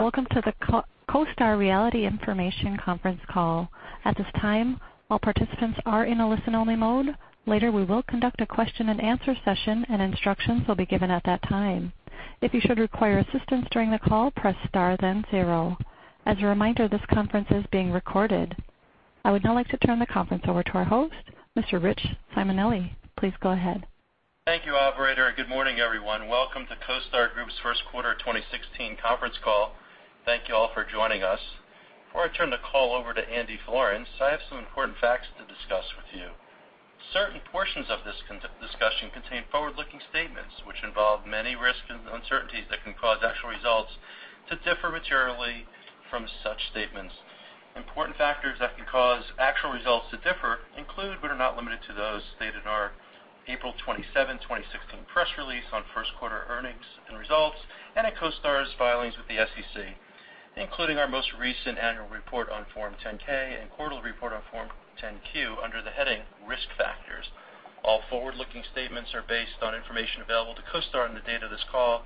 Welcome to the CoStar Realty Information conference call. At this time, all participants are in a listen-only mode. Later, we will conduct a question and answer session, and instructions will be given at that time. If you should require assistance during the call, press star then zero. As a reminder, this conference is being recorded. I would now like to turn the conference over to our host, Mr. Richard Simonelli. Please go ahead. Thank you, operator. Good morning, everyone. Welcome to CoStar Group's first quarter 2016 conference call. Thank you all for joining us. Before I turn the call over to Andrew Florance, I have some important facts to discuss with you. Certain portions of this discussion contain forward-looking statements, which involve many risks and uncertainties that can cause actual results to differ materially from such statements. Important factors that can cause actual results to differ include, but are not limited to, those stated in our April 27, 2016, press release on first quarter earnings and results and in CoStar's filings with the SEC, including our most recent annual report on Form 10-K and quarterly report on Form 10-Q under the heading Risk Factors. All forward-looking statements are based on information available to CoStar on the date of this call.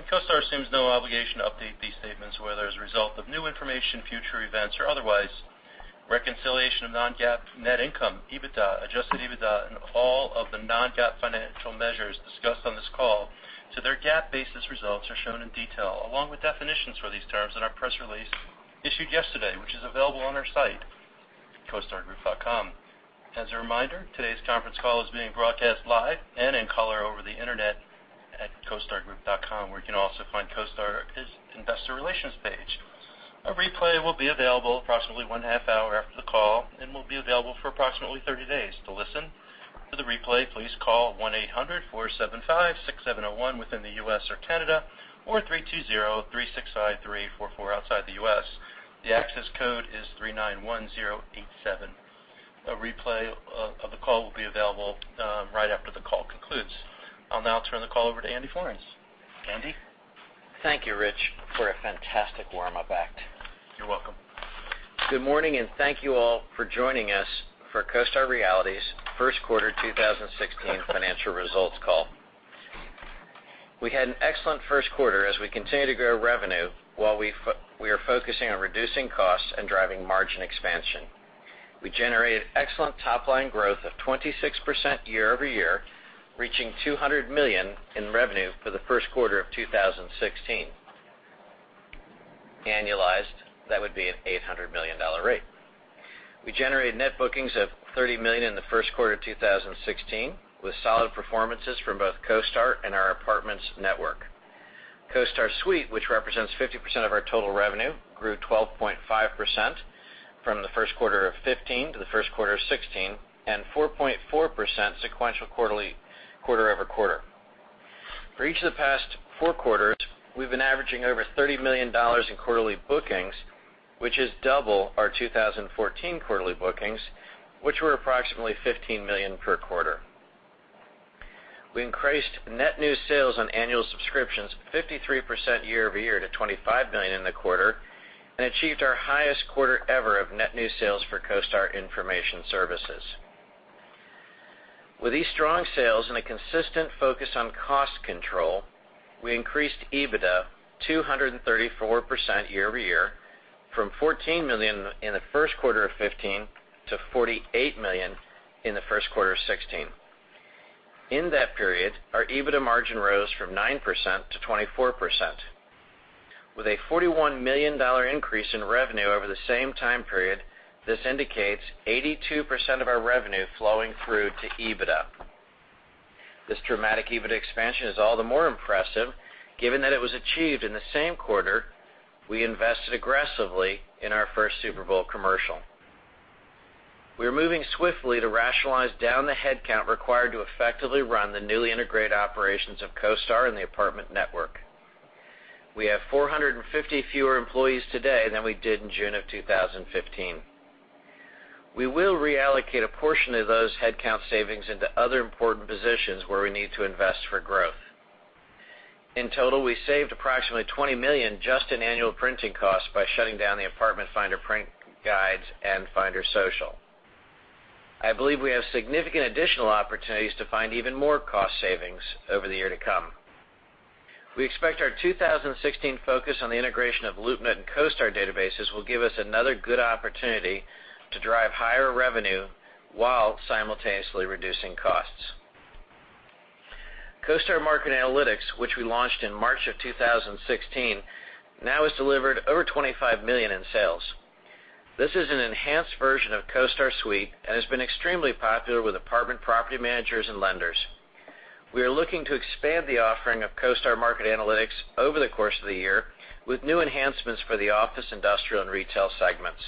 CoStar assumes no obligation to update these statements, whether as a result of new information, future events, or otherwise. Reconciliation of non-GAAP net income, EBITDA, adjusted EBITDA, and all of the non-GAAP financial measures discussed on this call to their GAAP-basis results are shown in detail, along with definitions for these terms in our press release issued yesterday, which is available on our site, costargroup.com. As a reminder, today's conference call is being broadcast live and in color over the internet at costargroup.com, where you can also find CoStar's investor relations page. A replay will be available approximately one half-hour after the call and will be available for approximately 30 days. To listen to the replay, please call 1-800-475-6701 within the U.S. or Canada or 320-365-3844 outside the U.S. The access code is 391087. A replay of the call will be available right after the call concludes. I'll now turn the call over to Andrew Florance. Andy? Thank you, Rich, for a fantastic warm-up act. You're welcome. Good morning. Thank you all for joining us for CoStar Realty's first quarter 2016 financial results call. We had an excellent first quarter as we continue to grow revenue while we are focusing on reducing costs and driving margin expansion. We generated excellent top-line growth of 26% year-over-year, reaching $200 million in revenue for the first quarter of 2016. Annualized, that would be an $800 million rate. We generated net bookings of $30 million in the first quarter of 2016, with solid performances from both CoStar and our apartments network. CoStar Suite, which represents 50% of our total revenue, grew 12.5% from the first quarter of 2015 to the first quarter of 2016, and 4.4% sequential quarter-over-quarter. For each of the past four quarters, we've been averaging over $30 million in quarterly bookings, which is double our 2014 quarterly bookings, which were approximately $15 million per quarter. We increased net new sales on annual subscriptions 53% year-over-year to $25 million in the quarter and achieved our highest quarter ever of net new sales for CoStar Information Services. With these strong sales and a consistent focus on cost control, we increased EBITDA 234% year-over-year from $14 million in the first quarter of 2015 to $48 million in the first quarter of 2016. In that period, our EBITDA margin rose from 9% to 24%. With a $41 million increase in revenue over the same time period, this indicates 82% of our revenue flowing through to EBITDA. This dramatic EBITDA expansion is all the more impressive given that it was achieved in the same quarter we invested aggressively in our first Super Bowl commercial. We are moving swiftly to rationalize down the headcount required to effectively run the newly integrated operations of CoStar and the apartment network. We have 450 fewer employees today than we did in June of 2015. We will reallocate a portion of those headcount savings into other important positions where we need to invest for growth. In total, we saved approximately $20 million just in annual printing costs by shutting down the Apartment Finder print guides and Finder Social. I believe we have significant additional opportunities to find even more cost savings over the year to come. We expect our 2016 focus on the integration of LoopNet and CoStar databases will give us another good opportunity to drive higher revenue while simultaneously reducing costs. CoStar Market Analytics, which we launched in March of 2016, now has delivered over $25 million in sales. This is an enhanced version of CoStar Suite and has been extremely popular with apartment property managers and lenders. We are looking to expand the offering of CoStar Market Analytics over the course of the year with new enhancements for the office, industrial, and retail segments.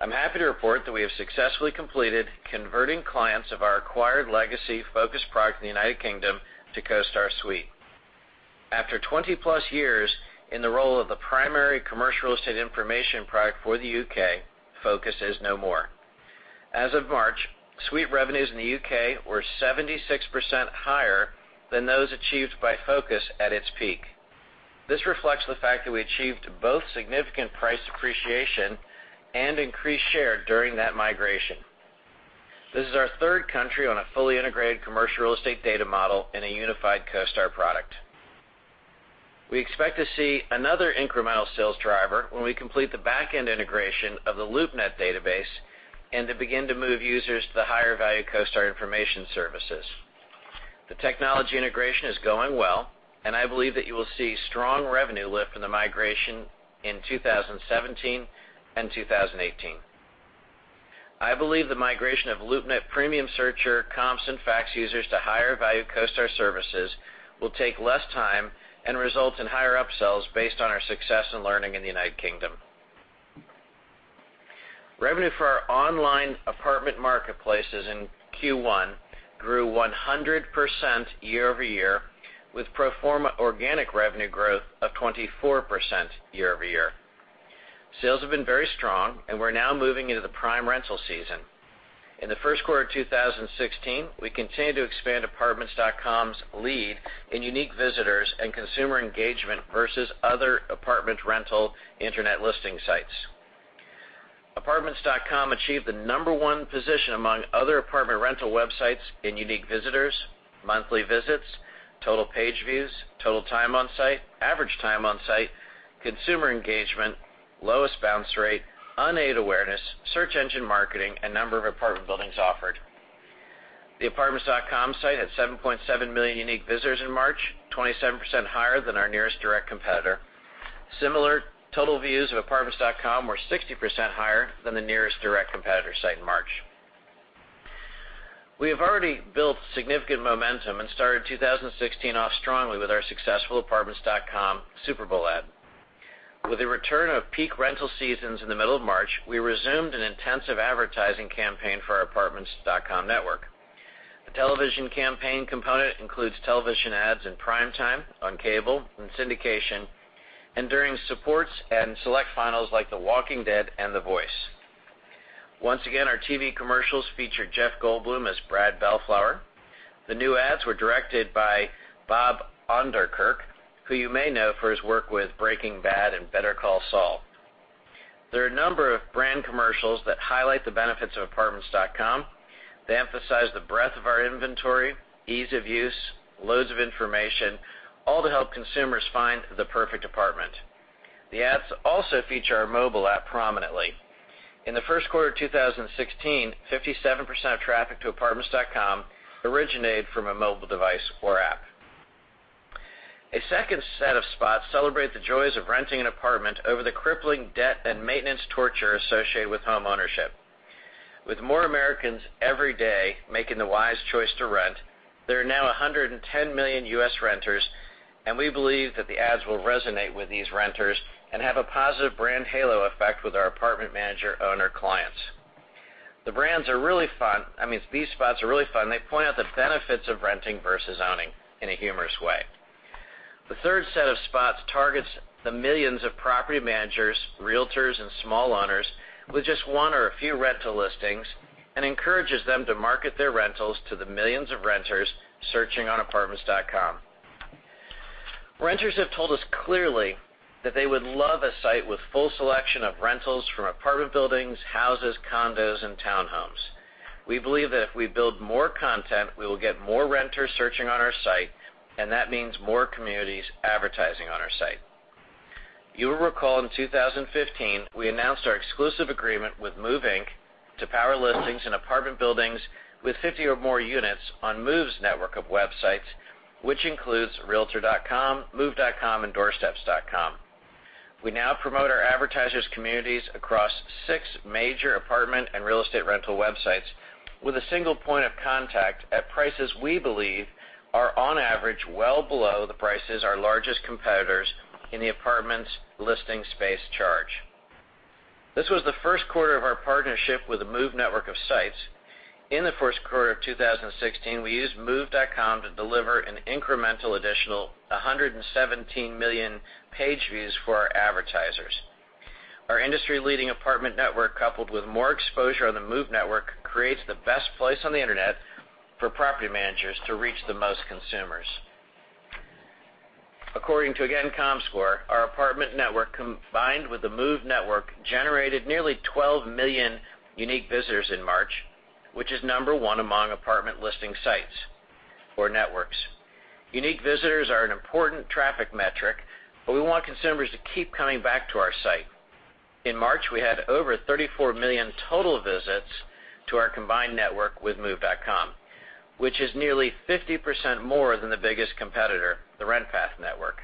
I'm happy to report that we have successfully completed converting clients of our acquired legacy FOCUS product in the U.K. to CoStar Suite. After 20-plus years in the role of the primary commercial real estate information product for the U.K., FOCUS is no more. As of March, Suite revenues in the U.K. were 76% higher than those achieved by FOCUS at its peak. This reflects the fact that we achieved both significant price appreciation and increased share during that migration. This is our third country on a fully integrated commercial real estate data model in a unified CoStar product. We expect to see another incremental sales driver when we complete the back-end integration of the LoopNet database and to begin to move users to the higher-value CoStar Information Services. The technology integration is going well, and I believe that you will see strong revenue lift from the migration in 2017 and 2018. I believe the migration of LoopNet Premium Searcher comps and facts users to higher-value CoStar services will take less time and result in higher upsells based on our success and learning in the U.K. Revenue for our online apartment marketplaces in Q1 grew 100% year-over-year, with pro forma organic revenue growth of 24% year-over-year. Sales have been very strong, and we're now moving into the prime rental season. In the first quarter of 2016, we continued to expand apartments.com's lead in unique visitors and consumer engagement versus other apartment rental internet listing sites. Apartments.com achieved the number one position among other apartment rental websites in unique visitors, monthly visits, total page views, total time on site, average time on site, consumer engagement, lowest bounce rate, unaided awareness, search engine marketing, and number of apartment buildings offered. The apartments.com site had 7.7 million unique visitors in March, 27% higher than our nearest direct competitor. Similar total views of apartments.com were 60% higher than the nearest direct competitor site in March. We have already built significant momentum and started 2016 off strongly with our successful apartments.com Super Bowl ad. With the return of peak rental seasons in the middle of March, we resumed an intensive advertising campaign for our apartments.com network. The television campaign component includes television ads in prime time, on cable, in syndication, and during sports and select finals like "The Walking Dead" and "The Voice." Once again, our TV commercials feature Jeff Goldblum as Brad Bellflower. The new ads were directed by Bob Odenkirk, who you may know for his work with "Breaking Bad" and "Better Call Saul." There are a number of brand commercials that highlight the benefits of apartments.com. They emphasize the breadth of our inventory, ease of use, loads of information, all to help consumers find the perfect apartment. The ads also feature our mobile app prominently. In the first quarter of 2016, 57% of traffic to apartments.com originated from a mobile device or app. A second set of spots celebrate the joys of renting an apartment over the crippling debt and maintenance torture associated with homeownership. With more Americans every day making the wise choice to rent, there are now 110 million U.S. renters. We believe that the ads will resonate with these renters and have a positive brand halo effect with our apartment manager/owner clients. These spots are really fun. They point out the benefits of renting versus owning in a humorous way. The third set of spots targets the millions of property managers, realtors, and small owners with just one or a few rental listings and encourages them to market their rentals to the millions of renters searching on apartments.com. Renters have told us clearly that they would love a site with full selection of rentals from apartment buildings, houses, condos, and townhomes. We believe that if we build more content, we will get more renters searching on our site, and that means more communities advertising on our site. You will recall in 2015, we announced our exclusive agreement with Move, Inc. to power listings in apartment buildings with 50 or more units on Move's network of websites, which includes realtor.com, move.com, and doorsteps.com. We now promote our advertisers' communities across six major apartment and real estate rental websites with a single point of contact at prices we believe are on average, well below the prices our largest competitors in the apartments listing space charge. This was the first quarter of our partnership with the Move network of sites. In the first quarter of 2016, we used move.com to deliver an incremental additional 117 million page views for our advertisers. Our industry-leading apartment network, coupled with more exposure on the Move network, creates the best place on the internet for property managers to reach the most consumers. According to, again, Comscore, our apartment network combined with the Move network generated nearly 12 million unique visitors in March, which is number one among apartment listing sites or networks. Unique visitors are an important traffic metric. We want consumers to keep coming back to our site. In March, we had over 34 million total visits to our combined network with move.com, which is nearly 50% more than the biggest competitor, the RentPath network.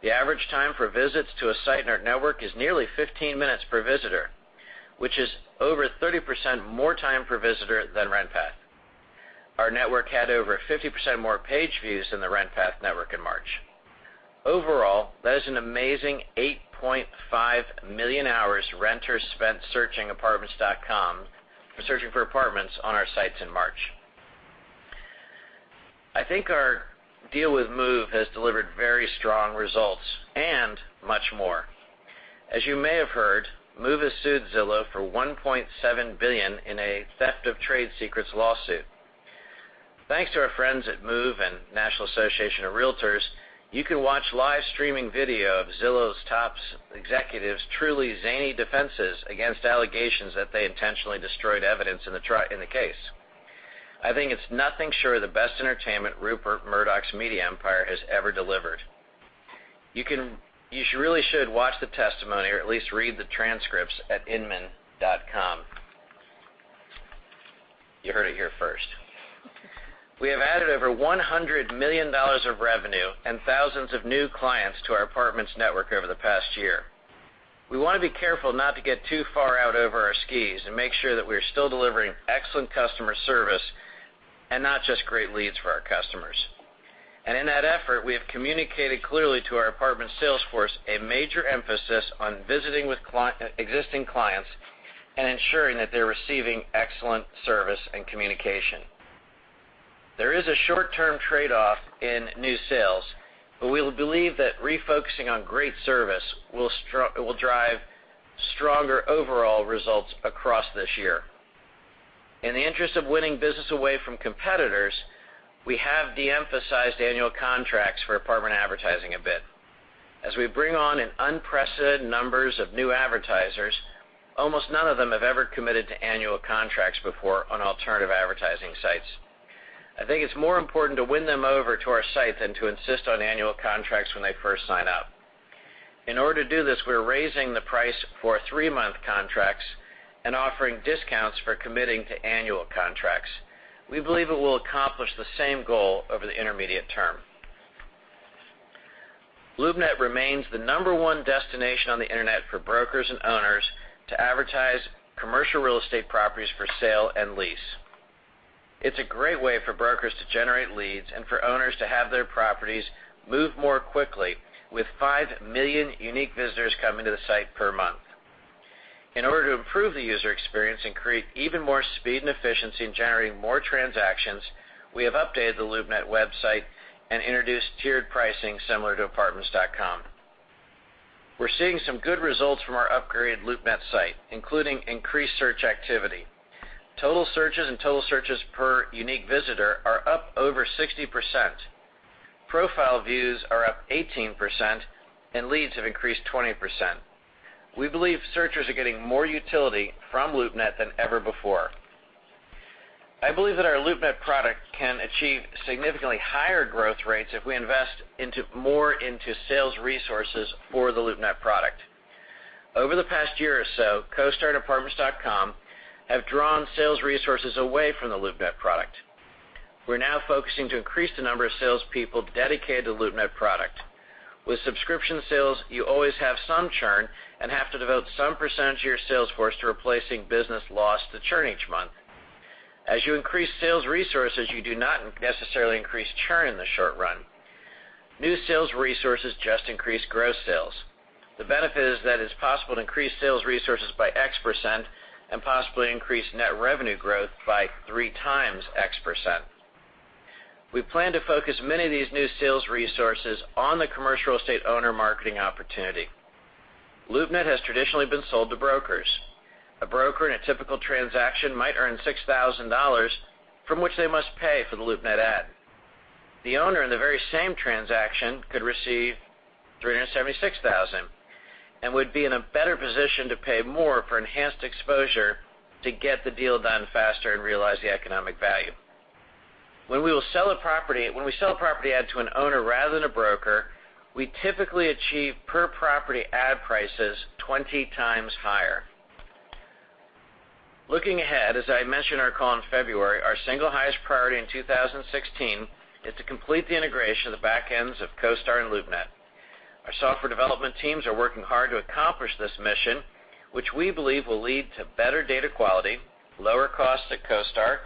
The average time for visits to a site in our network is nearly 15 minutes per visitor, which is over 30% more time per visitor than RentPath. Our network had over 50% more page views than the RentPath network in March. Overall, that is an amazing 8.5 million hours renters spent searching for apartments on our sites in March. I think our deal with Move has delivered very strong results and much more. As you may have heard, Move has sued Zillow for $1.7 billion in a theft of trade secrets lawsuit. Thanks to our friends at Move and National Association of Realtors, you can watch live streaming video of Zillow's top executives' truly zany defenses against allegations that they intentionally destroyed evidence in the case. I think it's nothing short of the best entertainment Rupert Murdoch's media empire has ever delivered. You really should watch the testimony or at least read the transcripts at Inman. You heard it here first. We have added over $100 million of revenue and thousands of new clients to our apartments network over the past year. We want to be careful not to get too far out over our skis and make sure that we are still delivering excellent customer service and not just great leads for our customers. In that effort, we have communicated clearly to our apartment sales force a major emphasis on visiting with existing clients and ensuring that they're receiving excellent service and communication. There is a short-term trade-off in new sales, but we believe that refocusing on great service will drive stronger overall results across this year. In the interest of winning business away from competitors, we have de-emphasized annual contracts for apartment advertising a bit. As we bring on an unprecedented numbers of new advertisers, almost none of them have ever committed to annual contracts before on alternative advertising sites. I think it's more important to win them over to our site than to insist on annual contracts when they first sign up. In order to do this, we're raising the price for three-month contracts and offering discounts for committing to annual contracts. We believe it will accomplish the same goal over the intermediate term. LoopNet remains the number one destination on the internet for brokers and owners to advertise commercial real estate properties for sale and lease. It's a great way for brokers to generate leads and for owners to have their properties move more quickly with 5 million unique visitors coming to the site per month. In order to improve the user experience and create even more speed and efficiency in generating more transactions, we have updated the LoopNet website and introduced tiered pricing similar to apartments.com. We're seeing some good results from our upgraded LoopNet site, including increased search activity. Total searches and total searches per unique visitor are up over 60%. Profile views are up 18% and leads have increased 20%. We believe searchers are getting more utility from LoopNet than ever before. I believe that our LoopNet product can achieve significantly higher growth rates if we invest more into sales resources for the LoopNet product. Over the past year or so, CoStar and apartments.com have drawn sales resources away from the LoopNet product. We're now focusing to increase the number of salespeople dedicated to LoopNet product. With subscription sales, you always have some churn and have to devote some percentage of your sales force to replacing business lost to churn each month. As you increase sales resources, you do not necessarily increase churn in the short run. New sales resources just increase gross sales. The benefit is that it's possible to increase sales resources by X% and possibly increase net revenue growth by three times X%. We plan to focus many of these new sales resources on the commercial real estate owner marketing opportunity. LoopNet has traditionally been sold to brokers. A broker in a typical transaction might earn $6,000 from which they must pay for the LoopNet ad. The owner in the very same transaction could receive $376,000 and would be in a better position to pay more for enhanced exposure to get the deal done faster and realize the economic value. When we sell a property ad to an owner rather than a broker, we typically achieve per-property ad prices 20 times higher. Looking ahead, as I mentioned in our call in February, our single highest priority in 2016 is to complete the integration of the back ends of CoStar and LoopNet. Our software development teams are working hard to accomplish this mission, which we believe will lead to better data quality, lower costs at CoStar,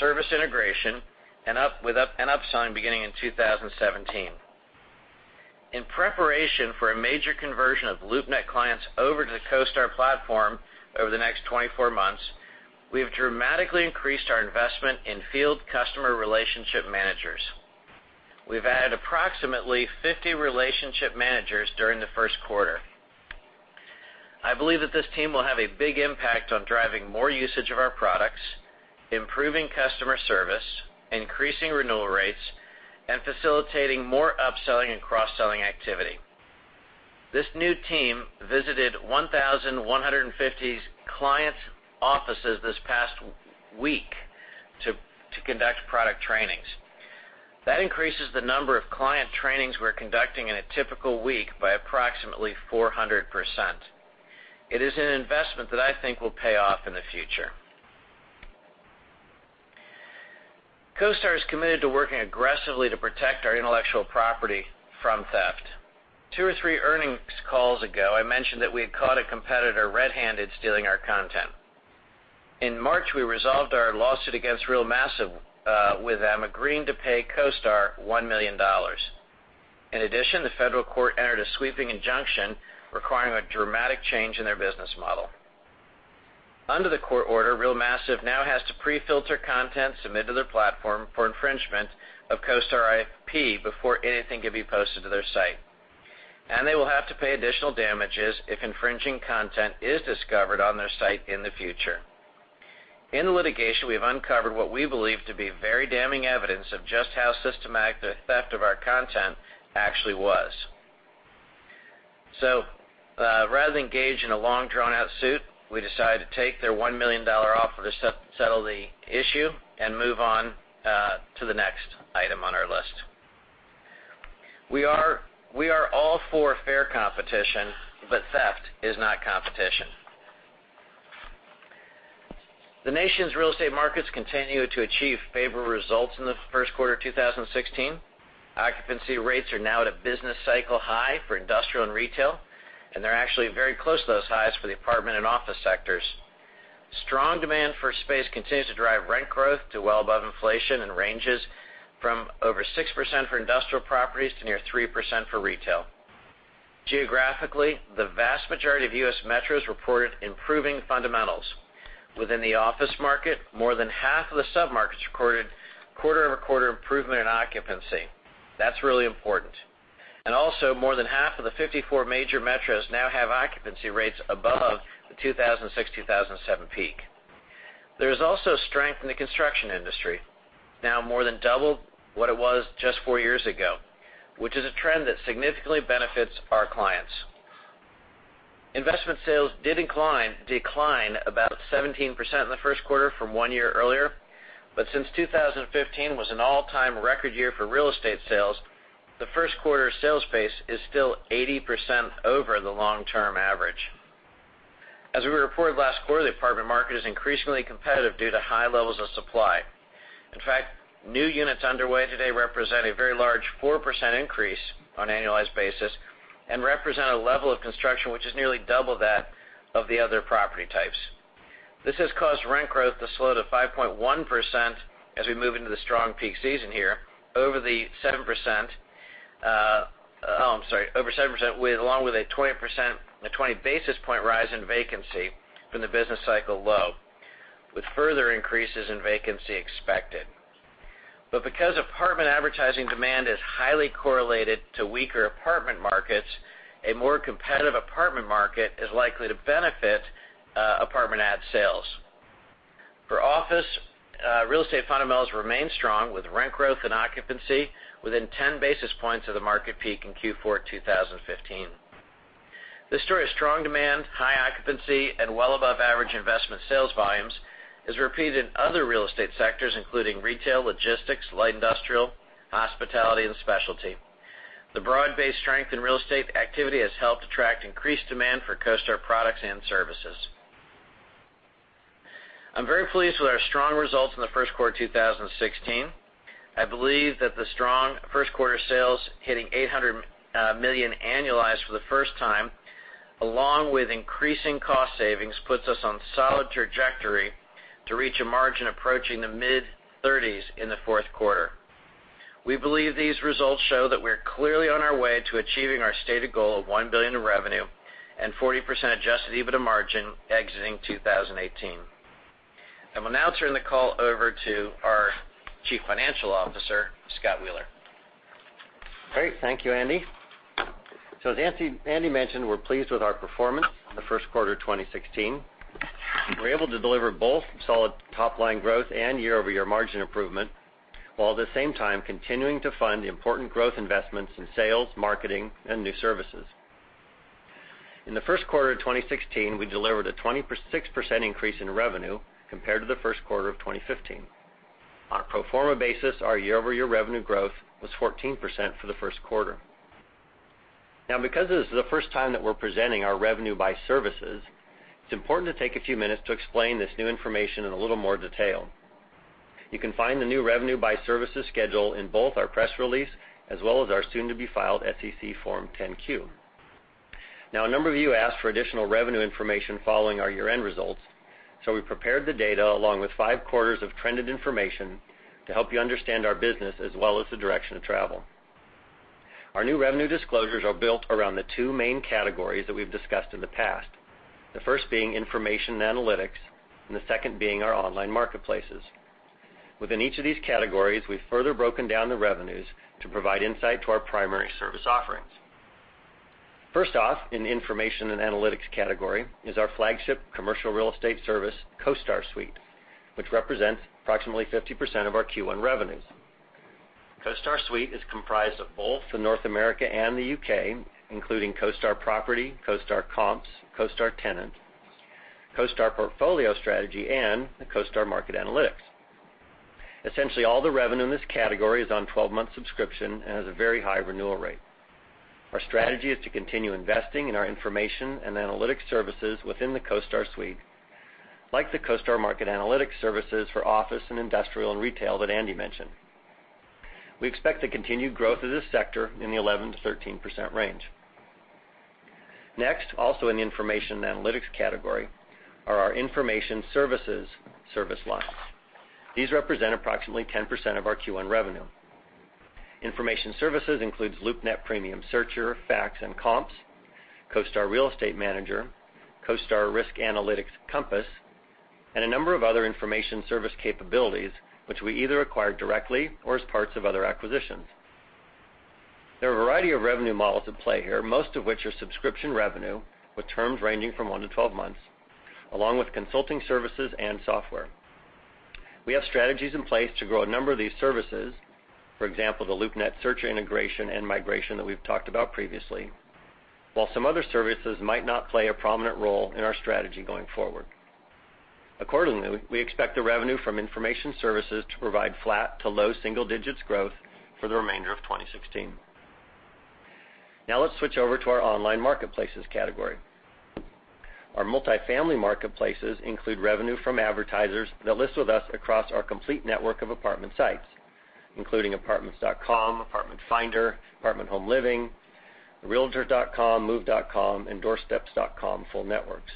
service integration, and upselling beginning in 2017. In preparation for a major conversion of LoopNet clients over to the CoStar platform over the next 24 months, we have dramatically increased our investment in field customer relationship managers. We've added approximately 50 relationship managers during the first quarter. I believe that this team will have a big impact on driving more usage of our products, improving customer service, increasing renewal rates, and facilitating more upselling and cross-selling activity. This new team visited 1,150 client offices this past week to conduct product trainings. That increases the number of client trainings we're conducting in a typical week by approximately 400%. It is an investment that I think will pay off in the future. CoStar is committed to working aggressively to protect our intellectual property from theft. Two or three earnings calls ago, I mentioned that we had caught a competitor red-handed stealing our content. In March, we resolved our lawsuit against RealMassive, with them agreeing to pay CoStar $1 million. In addition, the federal court entered a sweeping injunction requiring a dramatic change in their business model. Under the court order, RealMassive now has to pre-filter content submitted to their platform for infringement of CoStar IP before anything can be posted to their site. They will have to pay additional damages if infringing content is discovered on their site in the future. In the litigation, we have uncovered what we believe to be very damning evidence of just how systematic the theft of our content actually was. Rather than engage in a long, drawn-out suit, we decided to take their $1 million offer to settle the issue and move on to the next item on our list. We are all for fair competition, but theft is not competition. The nation's real estate markets continue to achieve favorable results in the first quarter of 2016. Occupancy rates are now at a business cycle high for industrial and retail, and they're actually very close to those highs for the apartment and office sectors. Strong demand for space continues to drive rent growth to well above inflation and ranges from over 6% for industrial properties to near 3% for retail. Geographically, the vast majority of U.S. metros reported improving fundamentals. Within the office market, more than half of the sub-markets recorded quarter-over-quarter improvement in occupancy. That's really important. Also more than half of the 54 major metros now have occupancy rates above the 2006, 2007 peak. There's also strength in the construction industry, now more than double what it was just four years ago, which is a trend that significantly benefits our clients. Investment sales did decline about 17% in the first quarter from one year earlier. Since 2015 was an all-time record year for real estate sales, the first quarter sales pace is still 80% over the long-term average. As we reported last quarter, the apartment market is increasingly competitive due to high levels of supply. In fact, new units underway today represent a very large 4% increase on an annualized basis and represent a level of construction which is nearly double that of the other property types. This has caused rent growth to slow to 5.1% as we move into the strong peak season here, over 7%, along with a 20 basis point rise in vacancy from the business cycle low, with further increases in vacancy expected. Because apartment advertising demand is highly correlated to weaker apartment markets, a more competitive apartment market is likely to benefit apartment ad sales. For office, real estate fundamentals remain strong with rent growth and occupancy within 10 basis points of the market peak in Q4 2015. This story of strong demand, high occupancy, and well above average investment sales volumes is repeated in other real estate sectors, including retail, logistics, light industrial, hospitality, and specialty. The broad-based strength in real estate activity has helped attract increased demand for CoStar products and services. I'm very pleased with our strong results in the first quarter of 2016. I believe that the strong first quarter sales hitting $800 million annualized for the first time, along with increasing cost savings, puts us on a solid trajectory to reach a margin approaching the mid-30s in the fourth quarter. We believe these results show that we're clearly on our way to achieving our stated goal of $1 billion in revenue and 40% adjusted EBITDA margin exiting 2018. I will now turn the call over to our Chief Financial Officer, Scott Wheeler. Great, thank you, Andy. As Andy mentioned, we're pleased with our performance in the first quarter of 2016. We were able to deliver both solid top-line growth and year-over-year margin improvement, while at the same time continuing to fund the important growth investments in sales, marketing, and new services. In the first quarter of 2016, we delivered a 26% increase in revenue compared to the first quarter of 2015. On a pro forma basis, our year-over-year revenue growth was 14% for the first quarter. Because this is the first time that we're presenting our revenue by services, it's important to take a few minutes to explain this new information in a little more detail. You can find the new revenue by services schedule in both our press release as well as our soon-to-be-filed SEC Form 10-Q. A number of you asked for additional revenue information following our year-end results. We prepared the data along with five quarters of trended information to help you understand our business as well as the direction of travel. Our new revenue disclosures are built around the two main categories that we've discussed in the past. The first being information and analytics, and the second being our online marketplaces. Within each of these categories, we've further broken down the revenues to provide insight to our primary service offerings. First off, in the information and analytics category, is our flagship commercial real estate service, CoStar Suite, which represents approximately 50% of our Q1 revenues. CoStar Suite is comprised of both the North America and the U.K., including CoStar Property, CoStar Comps, CoStar Tenant, CoStar Portfolio Strategy, and the CoStar Market Analytics. Essentially, all the revenue in this category is on 12-month subscription and has a very high renewal rate. Our strategy is to continue investing in our information and analytics services within the CoStar Suite, like the CoStar Market Analytics services for office and industrial, and retail that Andy mentioned. We expect the continued growth of this sector in the 11%-13% range. Also in the information and analytics category, are our information services service lines. These represent approximately 10% of our Q1 revenue. Information services includes LoopNet Premium Searcher, Facts, and Comps, CoStar Real Estate Manager, CoStar Risk Analytics Compass, a number of other information service capabilities, which we either acquire directly or as parts of other acquisitions. There are a variety of revenue models at play here, most of which are subscription revenue, with terms ranging from one to 12 months, along with consulting services and software. We have strategies in place to grow a number of these services. For example, the LoopNet search integration and migration that we've talked about previously, while some other services might not play a prominent role in our strategy going forward. Accordingly, we expect the revenue from information services to provide flat to low double digits growth for the remainder of 2016. Let's switch over to our online marketplaces category. Our multifamily marketplaces include revenue from advertisers that list with us across our complete network of apartment sites, including apartments.com, Apartment Finder, ApartmentHomeLiving.com, realtor.com, move.com and doorsteps.com full networks.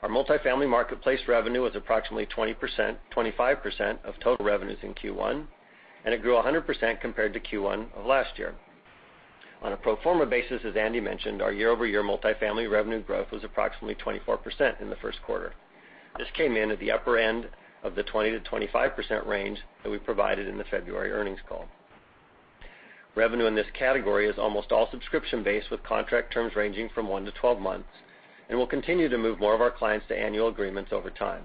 Our multifamily marketplace revenue was approximately 25% of total revenues in Q1, and it grew 100% compared to Q1 of last year. On a pro forma basis, as Andy mentioned, our year-over-year multifamily revenue growth was approximately 24% in the first quarter. This came in at the upper end of the 20%-25% range that we provided in the February earnings call. Revenue in this category is almost all subscription-based, with contract terms ranging from one to 12 months, and we'll continue to move more of our clients to annual agreements over time.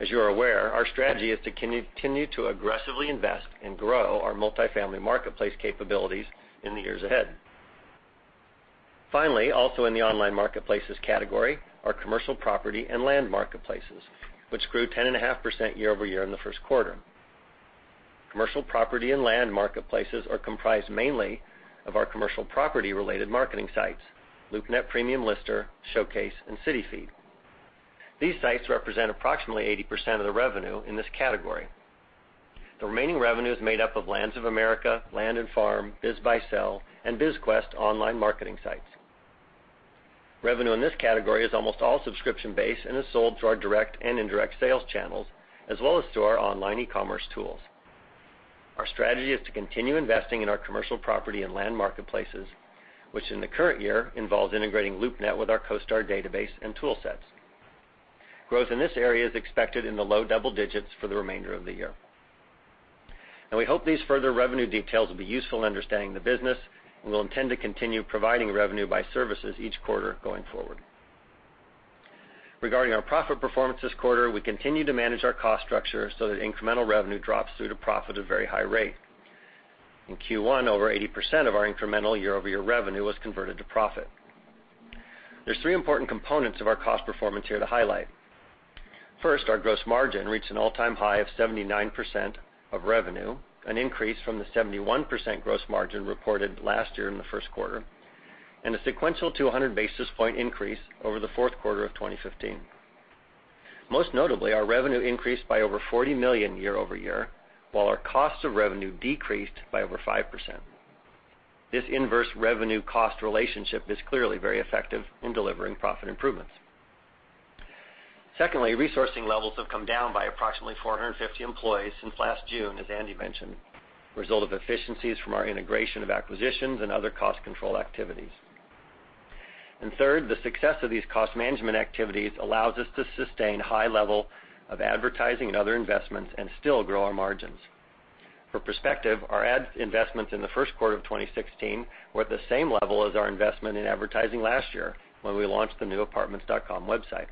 As you are aware, our strategy is to continue to aggressively invest and grow our multifamily marketplace capabilities in the years ahead. Finally, also in the online marketplaces category are commercial property and land marketplaces, which grew 10.5% year-over-year in the first quarter. Commercial property and land marketplaces are comprised mainly of our commercial property-related marketing sites, LoopNet Premium Lister, Showcase, and CityFeet. These sites represent approximately 80% of the revenue in this category. The remaining revenue is made up of Lands of America, Land and Farm, BizBuySell, and BizQuest online marketing sites. Revenue in this category is almost all subscription-based and is sold through our direct and indirect sales channels, as well as through our online e-commerce tools. Our strategy is to continue investing in our commercial property and land marketplaces, which in the current year involves integrating LoopNet with our CoStar database and tool sets. Growth in this area is expected in the low double digits for the remainder of the year. We hope these further revenue details will be useful in understanding the business, and we'll intend to continue providing revenue by services each quarter going forward. Regarding our profit performance this quarter, we continue to manage our cost structure so that incremental revenue drops through to profit at a very high rate. In Q1, over 80% of our incremental year-over-year revenue was converted to profit. There's three important components of our cost performance here to highlight. First, our gross margin reached an all-time high of 79% of revenue, an increase from the 71% gross margin reported last year in the first quarter, and a sequential 200 basis point increase over the fourth quarter of 2015. Most notably, our revenue increased by over $40 million year-over-year, while our cost of revenue decreased by over 5%. This inverse revenue cost relationship is clearly very effective in delivering profit improvements. Secondly, resourcing levels have come down by approximately 450 employees since last June, as Andy mentioned, result of efficiencies from our integration of acquisitions and other cost control activities. Third, the success of these cost management activities allows us to sustain a high level of advertising and other investments and still grow our margins. For perspective, our ad investments in the first quarter of 2016 were at the same level as our investment in advertising last year when we launched the new apartments.com website.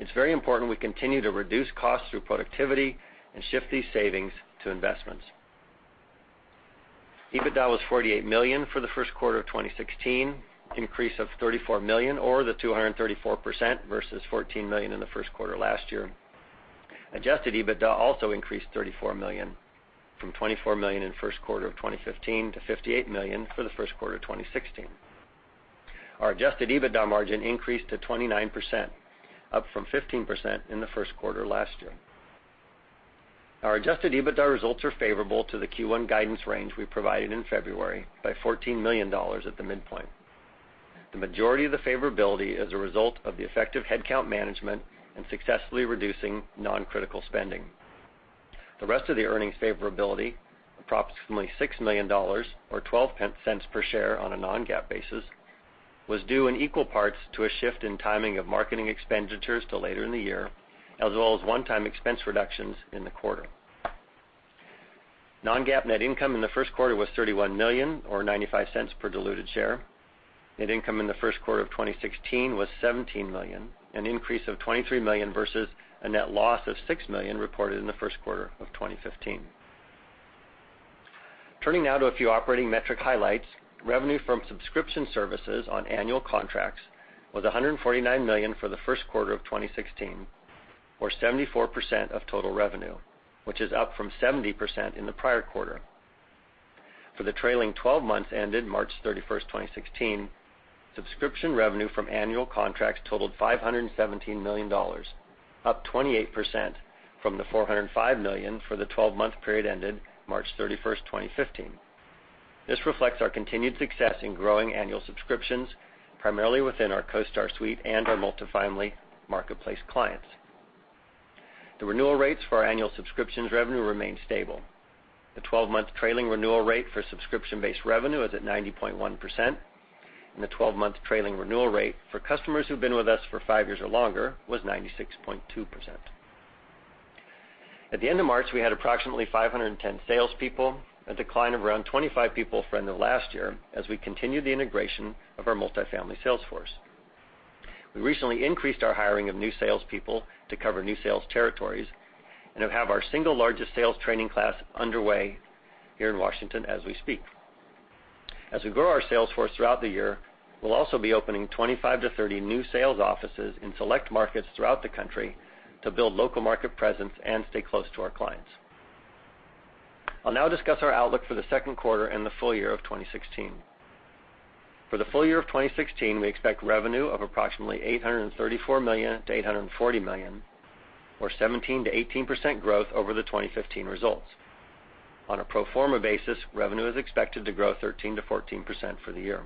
It's very important we continue to reduce costs through productivity and shift these savings to investments. EBITDA was $48 million for the first quarter of 2016, increase of $34 million, or the 234% versus $14 million in the first quarter last year. Adjusted EBITDA also increased $34 million, from $24 million in first quarter of 2015 to $58 million for the first quarter 2016. Our adjusted EBITDA margin increased to 29%, up from 15% in the first quarter last year. Our adjusted EBITDA results are favorable to the Q1 guidance range we provided in February by $14 million at the midpoint. The majority of the favorability is a result of the effective headcount management and successfully reducing non-critical spending. The rest of the earnings favorability, approximately $6 million, or $0.12 per share on a non-GAAP basis, was due in equal parts to a shift in timing of marketing expenditures till later in the year, as well as one-time expense reductions in the quarter. Non-GAAP net income in the first quarter was $31 million, or $0.95 per diluted share. Net income in the first quarter of 2016 was $17 million, an increase of $23 million versus a net loss of $6 million reported in the first quarter of 2015. Turning now to a few operating metric highlights. Revenue from subscription services on annual contracts was $149 million for the first quarter of 2016, or 74% of total revenue, which is up from 70% in the prior quarter. For the trailing 12 months ended March 31, 2016, subscription revenue from annual contracts totaled $517 million, up 28% from the $405 million for the 12-month period ended March 31, 2015. This reflects our continued success in growing annual subscriptions, primarily within our CoStar Suite and our multifamily marketplace clients. The renewal rates for our annual subscriptions revenue remain stable. The 12-month trailing renewal rate for subscription-based revenue is at 90.1%, and the 12-month trailing renewal rate for customers who've been with us for five years or longer was 96.2%. At the end of March, we had approximately 510 salespeople, a decline of around 25 people from the last year, as we continue the integration of our multifamily sales force. We recently increased our hiring of new salespeople to cover new sales territories and have our single largest sales training class underway here in Washington as we speak. As we grow our sales force throughout the year, we'll also be opening 25 to 30 new sales offices in select markets throughout the country to build local market presence and stay close to our clients. I'll now discuss our outlook for the second quarter and the full year of 2016. For the full year of 2016, we expect revenue of approximately $834 million-$840 million, or 17%-18% growth over the 2015 results. On a pro forma basis, revenue is expected to grow 13%-14% for the year.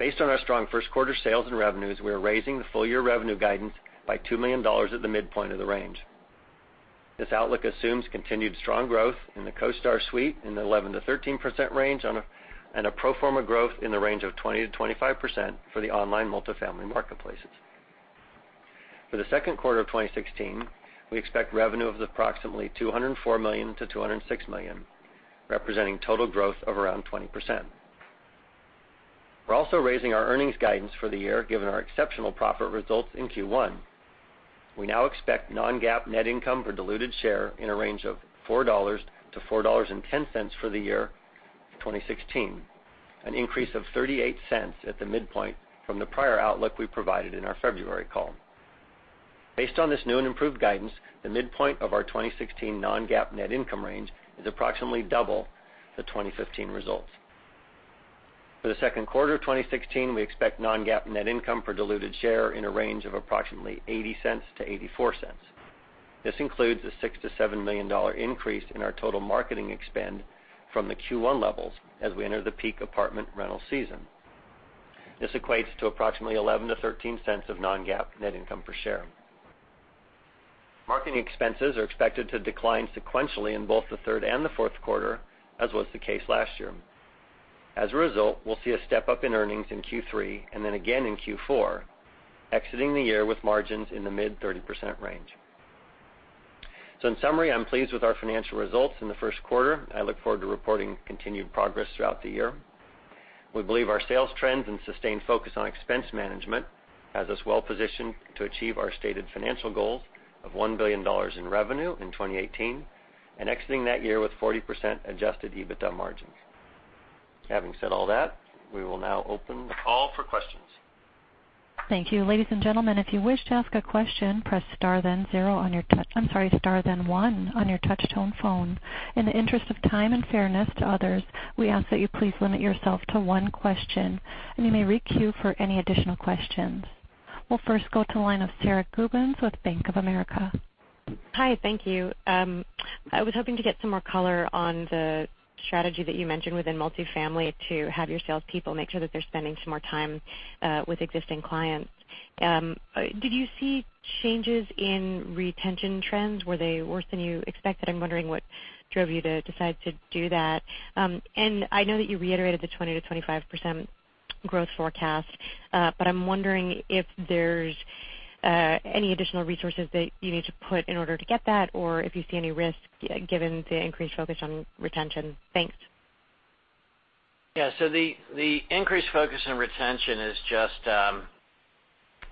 Based on our strong first quarter sales and revenues, we are raising the full-year revenue guidance by $2 million at the midpoint of the range. This outlook assumes continued strong growth in the CoStar Suite in the 11%-13% range, and a pro forma growth in the range of 20%-25% for the online multifamily marketplaces. For the second quarter of 2016, we expect revenue of approximately $204 million-$206 million, representing total growth of around 20%. We're also raising our earnings guidance for the year, given our exceptional profit results in Q1. We now expect non-GAAP net income per diluted share in a range of $4 to $4.10 for the year 2016, an increase of $0.38 at the midpoint from the prior outlook we provided in our February call. Based on this new and improved guidance, the midpoint of our 2016 non-GAAP net income range is approximately double the 2015 results. For the second quarter of 2016, we expect non-GAAP net income per diluted share in a range of approximately $0.80-$0.84. This includes a $6 million-$7 million increase in our total marketing spend from the Q1 levels as we enter the peak apartment rental season. This equates to approximately $0.11-$0.13 of non-GAAP net income per share. Marketing expenses are expected to decline sequentially in both the third and the fourth quarter, as was the case last year. As a result, we'll see a step-up in earnings in Q3 and then again in Q4, exiting the year with margins in the mid-30% range. In summary, I'm pleased with our financial results in the first quarter. I look forward to reporting continued progress throughout the year. We believe our sales trends and sustained focus on expense management has us well positioned to achieve our stated financial goals of $1 billion in revenue in 2018, and exiting that year with 40% adjusted EBITDA margins. Having said all that, we will now open the call for questions. Thank you. Ladies and gentlemen, if you wish to ask a question, press star then 1 on your touch-tone phone. In the interest of time and fairness to others, we ask that you please limit yourself to one question, and you may re-queue for any additional questions. We'll first go to the line of Sara Gubins with Bank of America. Hi, thank you. I was hoping to get some more color on the strategy that you mentioned within multifamily to have your salespeople make sure that they're spending some more time with existing clients. Did you see changes in retention trends? Were they worse than you expected? I'm wondering what drove you to decide to do that. I know that you reiterated the 20%-25% growth forecast, but I'm wondering if there's any additional resources that you need to put in order to get that, or if you see any risk given the increased focus on retention. Thanks. Yeah. The increased focus on retention,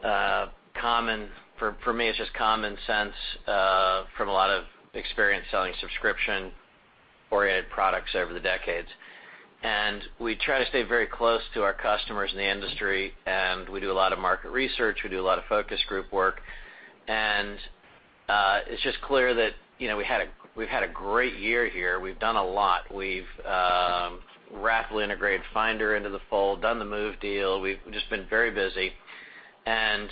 for me, it's just common sense from a lot of experience selling subscription-oriented products over the decades. We try to stay very close to our customers in the industry, and we do a lot of market research. We do a lot of focus group work, and it's just clear that we've had a great year here. We've done a lot. We've rapidly integrated Finder into the fold, done the Move deal. We've just been very busy, and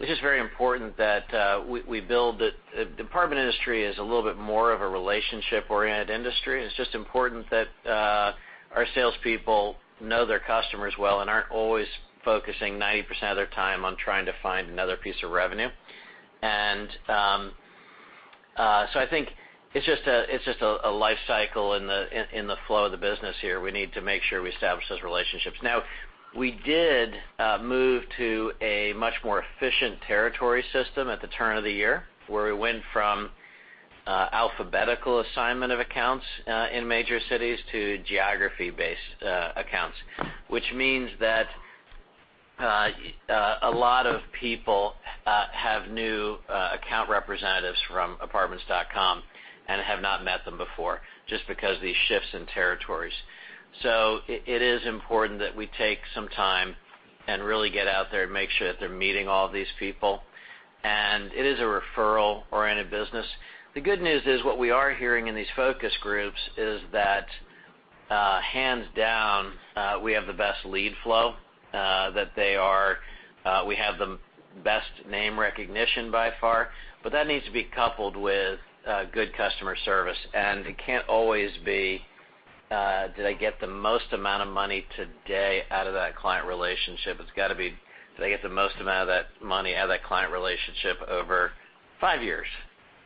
it's just very important that we build. The apartment industry is a little bit more of a relationship-oriented industry, and it's just important that our salespeople know their customers well and aren't always focusing 90% of their time on trying to find another piece of revenue. I think it's just a life cycle in the flow of the business here. We need to make sure we establish those relationships. Now, we did move to a much more efficient territory system at the turn of the year, where we went from alphabetical assignment of accounts in major cities to geography-based accounts, which means that a lot of people have new account representatives from apartments.com and have not met them before, just because these shifts in territories. It is important that we take some time and really get out there and make sure that they're meeting all these people. It is a referral-oriented business. The good news is what we are hearing in these focus groups is that, hands down, we have the best lead flow, that we have the best name recognition by far. That needs to be coupled with good customer service, and it can't always be Did I get the most amount of money today out of that client relationship? It's got to be, did I get the most amount of that money out of that client relationship over 5 years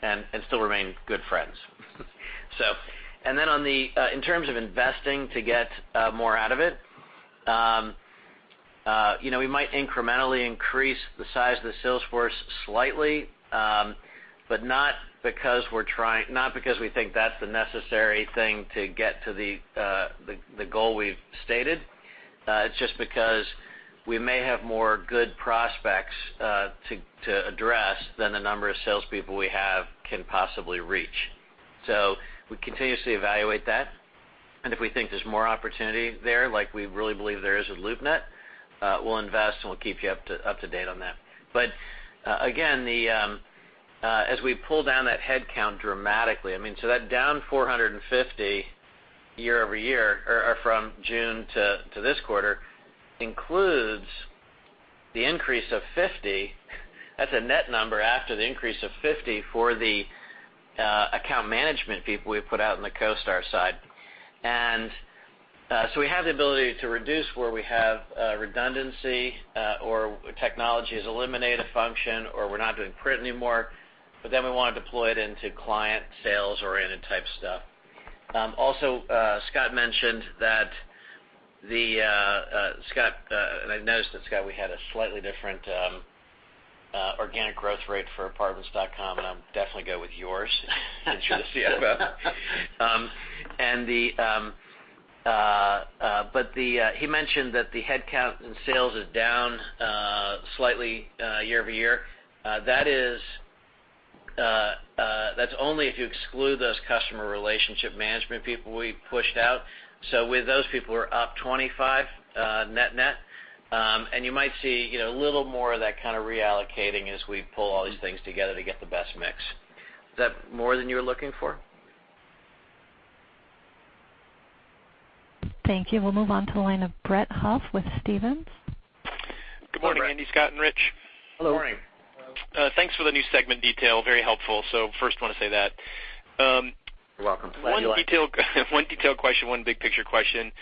and still remain good friends? Then in terms of investing to get more out of it, we might incrementally increase the size of the sales force slightly, not because we think that's the necessary thing to get to the goal we've stated. It's just because we may have more good prospects to address than the number of salespeople we have can possibly reach. We continuously evaluate that, and if we think there's more opportunity there, like we really believe there is with LoopNet, we'll invest, and we'll keep you up to date on that. Again, as we pull down that headcount dramatically, that down 450 year-over-year or from June to this quarter, includes the increase of 50. That's a net number after the increase of 50 for the account management people we put out in the CoStar side. We have the ability to reduce where we have redundancy or technology has eliminated a function, or we're not doing print anymore, but then we want to deploy it into client sales-oriented type stuff. Also, Scott mentioned that. I noticed that, Scott, we had a slightly different organic growth rate for apartments.com, and I'll definitely go with yours and show the CFO. He mentioned that the headcount in sales is down slightly year-over-year. That's only if you exclude those customer relationship management people we pushed out. With those people, we're up 25 net net. You might see a little more of that kind of reallocating as we pull all these things together to get the best mix. Is that more than you were looking for? Thank you. We'll move on to the line of Brett Huff with Stephens. Good morning, Andy, Scott, and Rich. Hello. Good morning. Thanks for the new segment detail. Very helpful. First want to say that. You're welcome. One detailed question, one big-picture question.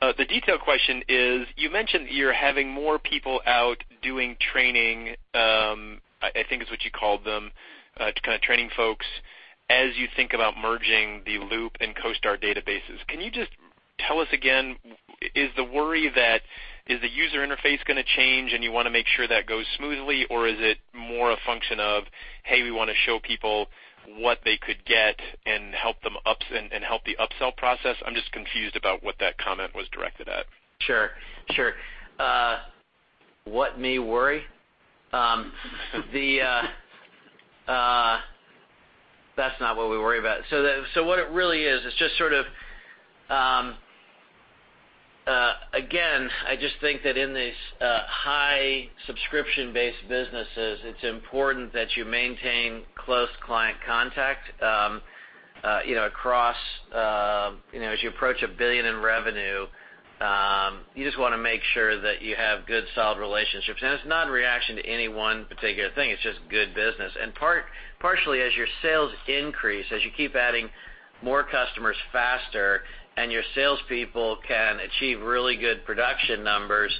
The detailed question is, you mentioned you're having more people out doing training, I think is what you called them, to kind of training folks as you think about merging the Loop and CoStar databases. Can you just tell us again, is the worry that is the user interface going to change and you want to make sure that goes smoothly? Or is it more a function of, hey, we want to show people what they could get and help the upsell process? I'm just confused about what that comment was directed at. Sure. What me worry? That's not what we worry about. What it really is, again, I just think that in these high subscription-based businesses, it's important that you maintain close client contact as you approach $1 billion in revenue. You just want to make sure that you have good, solid relationships. It's not a reaction to any one particular thing. It's just good business. Partially as your sales increase, as you keep adding more customers faster and your salespeople can achieve really good production numbers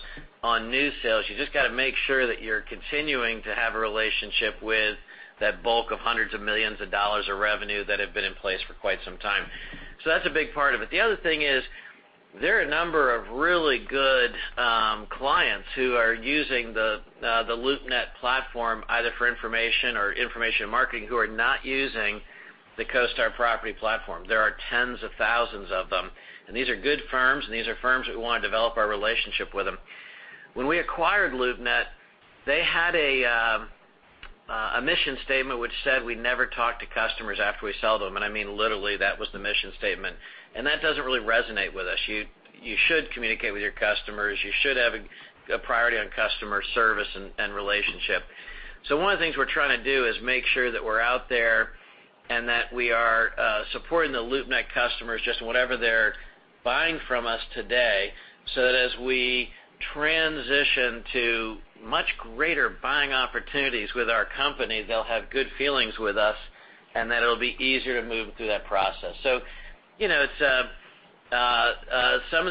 on new sales, you've just got to make sure that you're continuing to have a relationship with that bulk of hundreds of millions of dollars of revenue that have been in place for quite some time. That's a big part of it. The other thing is there are a number of really good clients who are using the LoopNet platform, either for information or information marketing, who are not using the CoStar Property platform. There are tens of thousands of them, and these are good firms, and these are firms that we want to develop our relationship with them. When we acquired LoopNet, they had a mission statement which said we never talk to customers after we sell them. I mean, literally, that was the mission statement. That doesn't really resonate with us. You should communicate with your customers. You should have a priority on customer service and relationship. One of the things we're trying to do is make sure that we're out there and that we are supporting the LoopNet customers, just in whatever they're buying from us today, so that as we transition to much greater buying opportunities with our company, they'll have good feelings with us, and that it'll be easier to move them through that process. Some of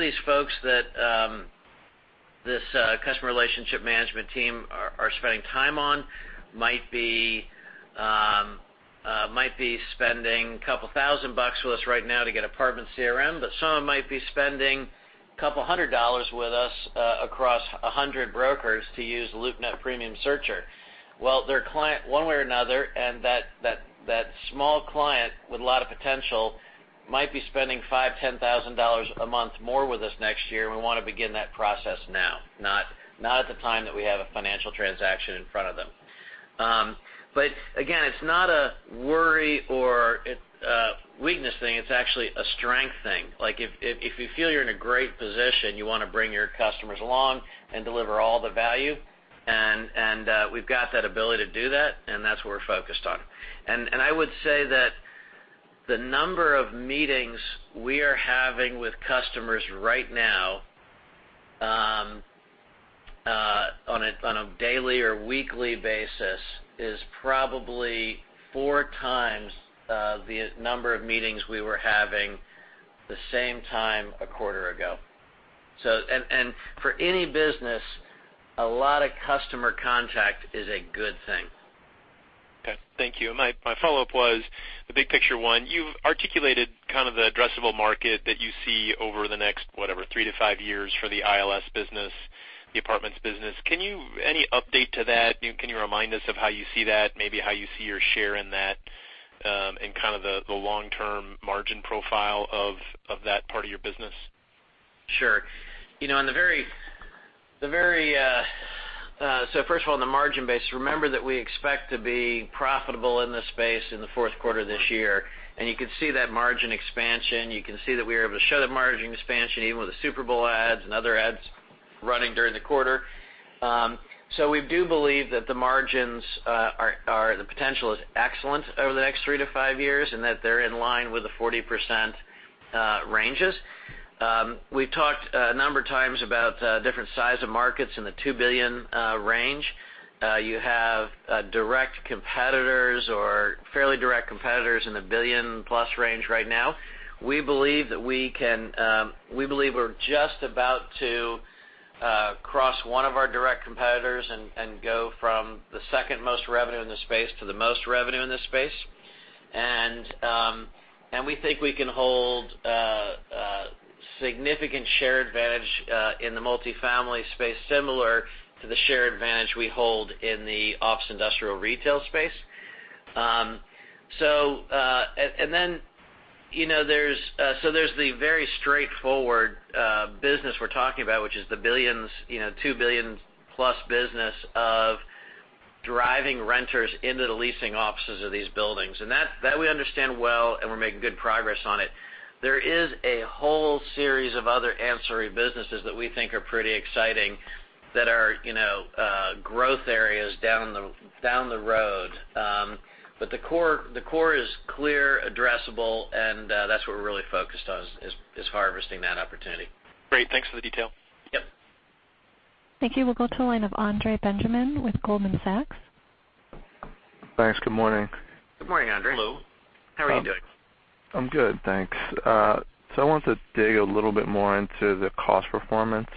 these folks that this customer relationship management team are spending time on might be spending $ a couple of thousand with us right now to get Apartment CRM, but some of them might be spending $ a couple of hundred with us across 100 brokers to use LoopNet Premium Searcher. They're a client one way or another, and that small client with a lot of potential might be spending $5,000, $10,000 a month more with us next year, and we want to begin that process now, not at the time that we have a financial transaction in front of them. Again, it's not a worry or a weakness thing. It's actually a strength thing. If you feel you're in a great position, you want to bring your customers along and deliver all the value, and we've got that ability to do that, and that's what we're focused on. I would say that the number of meetings we are having with customers right now. On a daily or weekly basis is probably four times the number of meetings we were having the same time a quarter ago. For any business, a lot of customer contact is a good thing. Okay. Thank you. My follow-up was the big picture one. You've articulated the addressable market that you see over the next, whatever, three to five years for the ILS business, the apartments business. Any update to that? Can you remind us of how you see that, maybe how you see your share in that, and the long-term margin profile of that part of your business? Sure. First of all, on the margin base, remember that we expect to be profitable in this space in the fourth quarter of this year. You can see that margin expansion, you can see that we were able to show that margin expansion even with the Super Bowl ads and other ads running during the quarter. We do believe that the margins are. The potential is excellent over the next three to five years, and that they're in line with the 40% ranges. We've talked a number of times about different size of markets in the $2 billion range. You have direct competitors or fairly direct competitors in the $1 billion-plus range right now. We believe we're just about to cross one of our direct competitors and go from the second-most revenue in the space to the most revenue in this space. We think we can hold a significant share advantage in the multi-family space, similar to the share advantage we hold in the office, industrial, retail space. There's the very straightforward business we're talking about, which is the $2 billion-plus business of driving renters into the leasing offices of these buildings. That we understand well, and we're making good progress on it. There is a whole series of other ancillary businesses that we think are pretty exciting that are growth areas down the road. The core is clear, addressable, and that's what we're really focused on, is harvesting that opportunity. Great. Thanks for the detail. Yep. Thank you. We will go to the line of Andre Benjamin with Goldman Sachs. Thanks. Good morning. Good morning, Andre. Hello. How are you doing? I'm good, thanks. I wanted to dig a little bit more into the cost performance,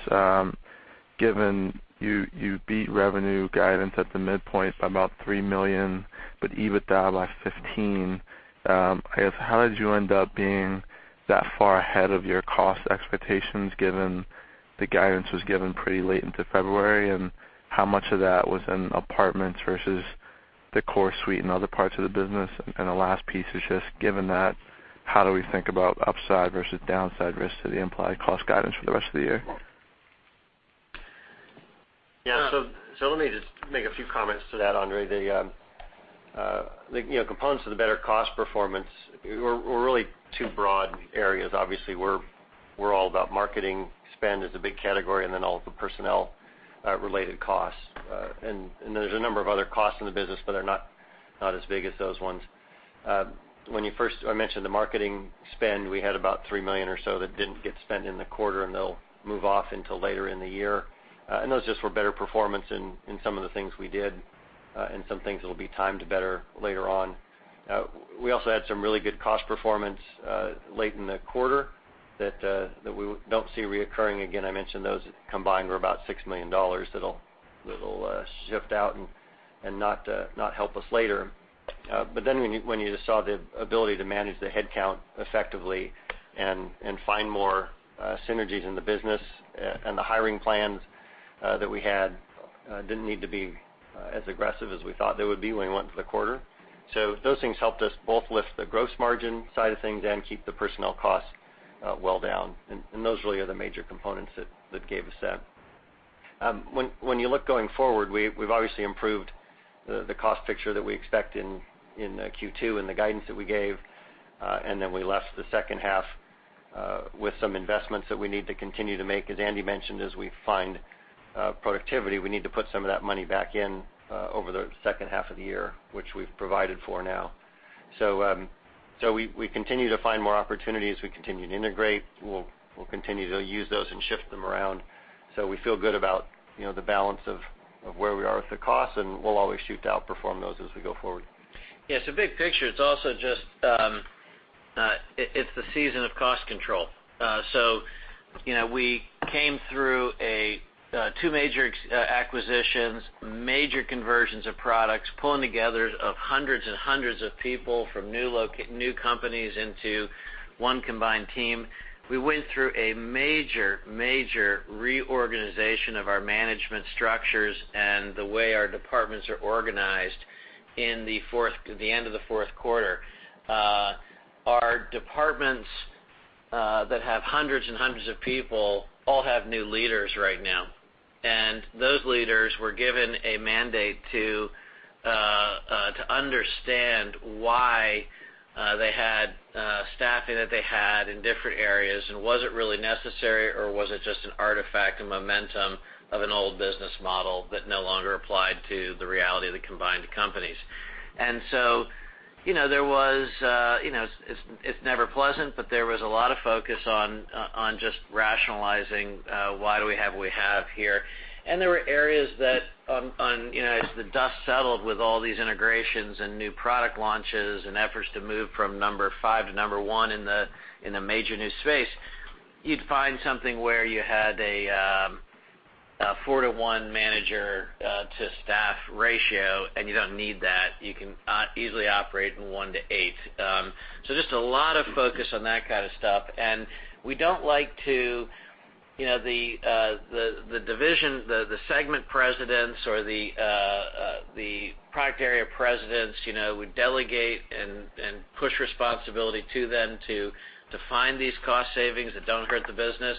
given you beat revenue guidance at the midpoint by about $3 million, but EBITDA by $15. I guess, how did you end up being that far ahead of your cost expectations, given the guidance was given pretty late into February, and how much of that was in apartments versus the CoStar Suite and other parts of the business? The last piece is just given that, how do we think about upside versus downside risk to the implied cost guidance for the rest of the year? Let me just make a few comments to that, Andre. The components of the better cost performance were really two broad areas. Obviously, we're all about marketing spend as a big category and then all of the personnel-related costs. There's a number of other costs in the business that are not as big as those ones. When you first mentioned the marketing spend, we had about $3 million or so that didn't get spent in the quarter, and they'll move off until later in the year. Those just were better performance in some of the things we did, and some things that'll be timed better later on. We also had some really good cost performance late in the quarter that we don't see reoccurring again. I mentioned those combined were about $6 million that'll shift out and not help us later. When you just saw the ability to manage the headcount effectively and find more synergies in the business and the hiring plans that we had didn't need to be as aggressive as we thought they would be when we went into the quarter. Those things helped us both lift the gross margin side of things and keep the personnel costs well down, and those really are the major components that gave us that. When you look going forward, we've obviously improved the cost picture that we expect in Q2 and the guidance that we gave, and then we left the second half with some investments that we need to continue to make. As Andy mentioned, as we find productivity, we need to put some of that money back in over the second half of the year, which we've provided for now. We continue to find more opportunities. We continue to integrate. We'll continue to use those and shift them around. We feel good about the balance of where we are with the costs, and we'll always shoot to outperform those as we go forward. Big picture, it's also it's the season of cost control. We came through two major acquisitions, major conversions of products, pulling together of hundreds and hundreds of people from new companies into one combined team. We went through a major reorganization of our management structures and the way our departments are organized in the end of the fourth quarter. Our departments that have hundreds and hundreds of people all have new leaders right now, and those leaders were given a mandate to understand why they had staffing that they had in different areas, and was it really necessary, or was it just an artifact, a momentum of an old business model that no longer applied to the reality of the combined companies? There was, it's never pleasant, but there was a lot of focus on just rationalizing why do we have what we have here. There were areas that as the dust settled with all these integrations and new product launches and efforts to move from number 5 to number 1 in the major new space, you'd find something where you had a 4-to-1 manager-to-staff ratio, and you don't need that. You can easily operate in 1 to 8. Just a lot of focus on that kind of stuff. We don't like to The division, the segment presidents or the product area presidents, we delegate and push responsibility to them to find these cost savings that don't hurt the business.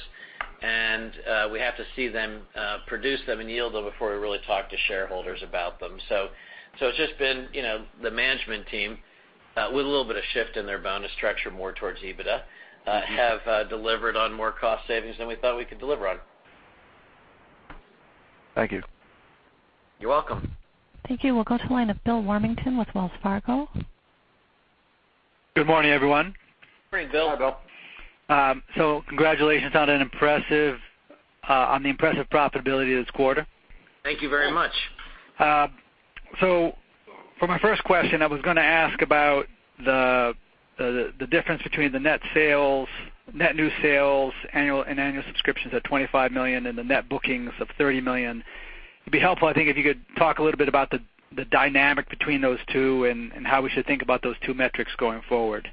We have to see them produce them and yield them before we really talk to shareholders about them. It's just been the management team with a little bit of shift in their bonus structure more towards EBITDA, have delivered on more cost savings than we thought we could deliver on. Thank you. You're welcome. Thank you. We'll go to the line of Bill Warmington with Wells Fargo. Good morning, everyone. Morning, Bill. Congratulations on the impressive profitability this quarter. Thank you very much. For my first question, I was going to ask about the difference between the net new sales annual and annual subscriptions at $25 million and the net bookings of $30 million. It'd be helpful, I think, if you could talk a little bit about the dynamic between those two and how we should think about those two metrics going forward.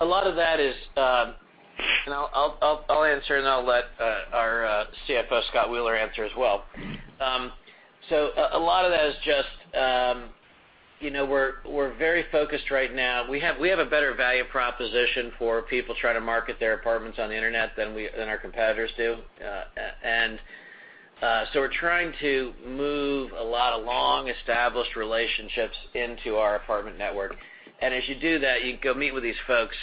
A lot of that is I'll answer and I'll let our CFO, Scott Wheeler, answer as well. A lot of that is just we're very focused right now. We have a better value proposition for people trying to market their apartments on the internet than our competitors do. We're trying to move a lot of long-established relationships into our apartment network. As you do that, you go meet with these folks.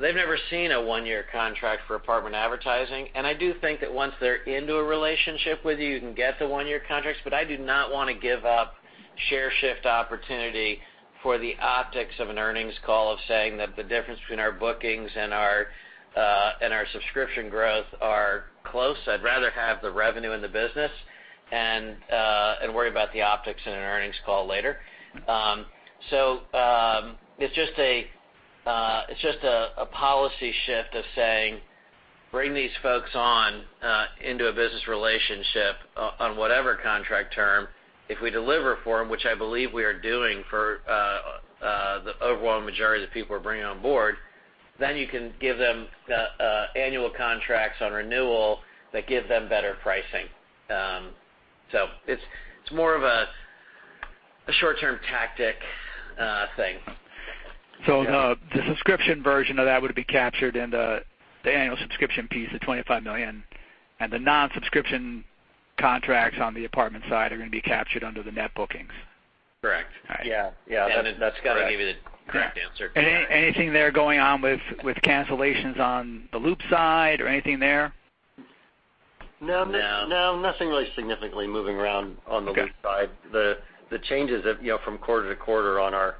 They've never seen a one-year contract for apartment advertising. I do think that once they're into a relationship with you can get the one-year contracts, but I do not want to give up share shift opportunity for the optics of an earnings call of saying that the difference between our bookings and our subscription growth are close. I'd rather have the revenue in the business and worry about the optics in an earnings call later. It's just a policy shift of saying, bring these folks on into a business relationship on whatever contract term. If we deliver for them, which I believe we are doing for the overwhelming majority of the people we're bringing on board, then you can give them annual contracts on renewal that give them better pricing. It's more of a short-term tactic thing. The subscription version of that would be captured in the annual subscription piece, the $25 million, and the non-subscription contracts on the apartment side are going to be captured under the net bookings? Correct. All right. Yeah. That's going to give you the correct answer. Anything there going on with cancellations on the Loop side or anything there? No. No, nothing really significantly moving around on the Loop side. Okay. The changes from quarter to quarter on our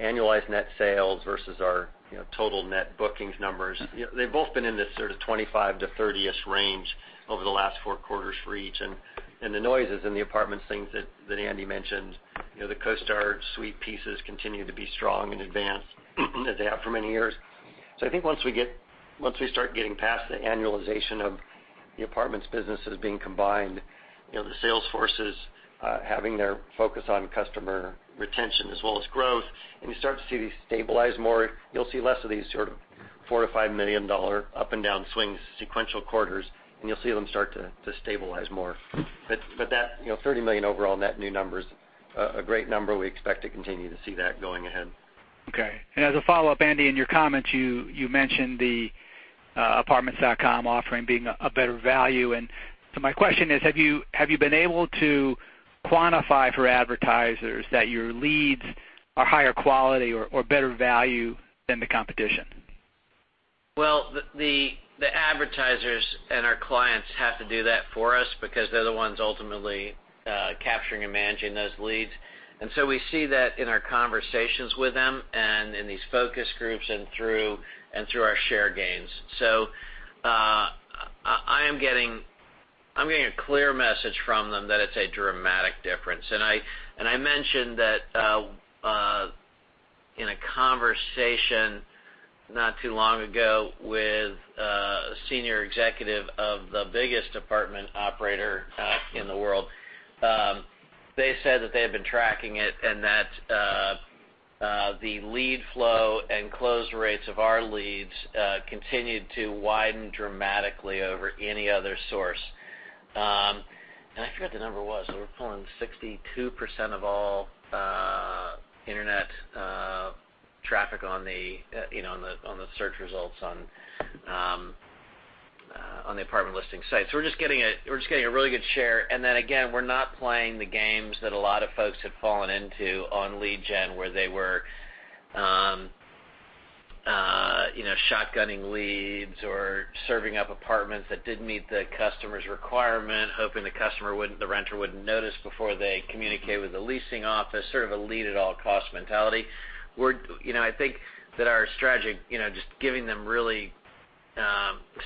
annualized net sales versus our total net bookings numbers, they've both been in this sort of 25 to 30-ish range over the last four quarters for each. The noises and the Apartments things that Andy mentioned, the CoStar Suite pieces continue to be strong in advance as they have for many years. I think once we start getting past the annualization of the Apartments business that is being combined, the sales forces having their focus on customer retention as well as growth, and you start to see these stabilize more, you'll see less of these sort of $4 million-$5 million up and down swings, sequential quarters, and you'll see them start to stabilize more. That $30 million overall net new number is a great number. We expect to continue to see that going ahead. Okay. As a follow-up, Andy, in your comments, you mentioned the Apartments.com offering being a better value. My question is, have you been able to quantify for advertisers that your leads are higher quality or better value than the competition? Well, the advertisers and our clients have to do that for us because they're the ones ultimately capturing and managing those leads. We see that in our conversations with them and in these focus groups and through our share gains. I'm getting a clear message from them that it's a dramatic difference. I mentioned that in a conversation not too long ago with a senior executive of the biggest apartment operator in the world. They said that they had been tracking it and that the lead flow and close rates of our leads continued to widen dramatically over any other source. I forget the number it was. We were pulling 62% of all internet traffic on the search results on the apartment listing site. We're just getting a really good share. Again, we're not playing the games that a lot of folks have fallen into on lead gen, where they were Shotgunning leads or serving up apartments that didn't meet the customer's requirement, hoping the customer wouldn't, the renter wouldn't notice before they communicate with the leasing office, sort of a lead-at-all-costs mentality. I think that our strategy, just giving them really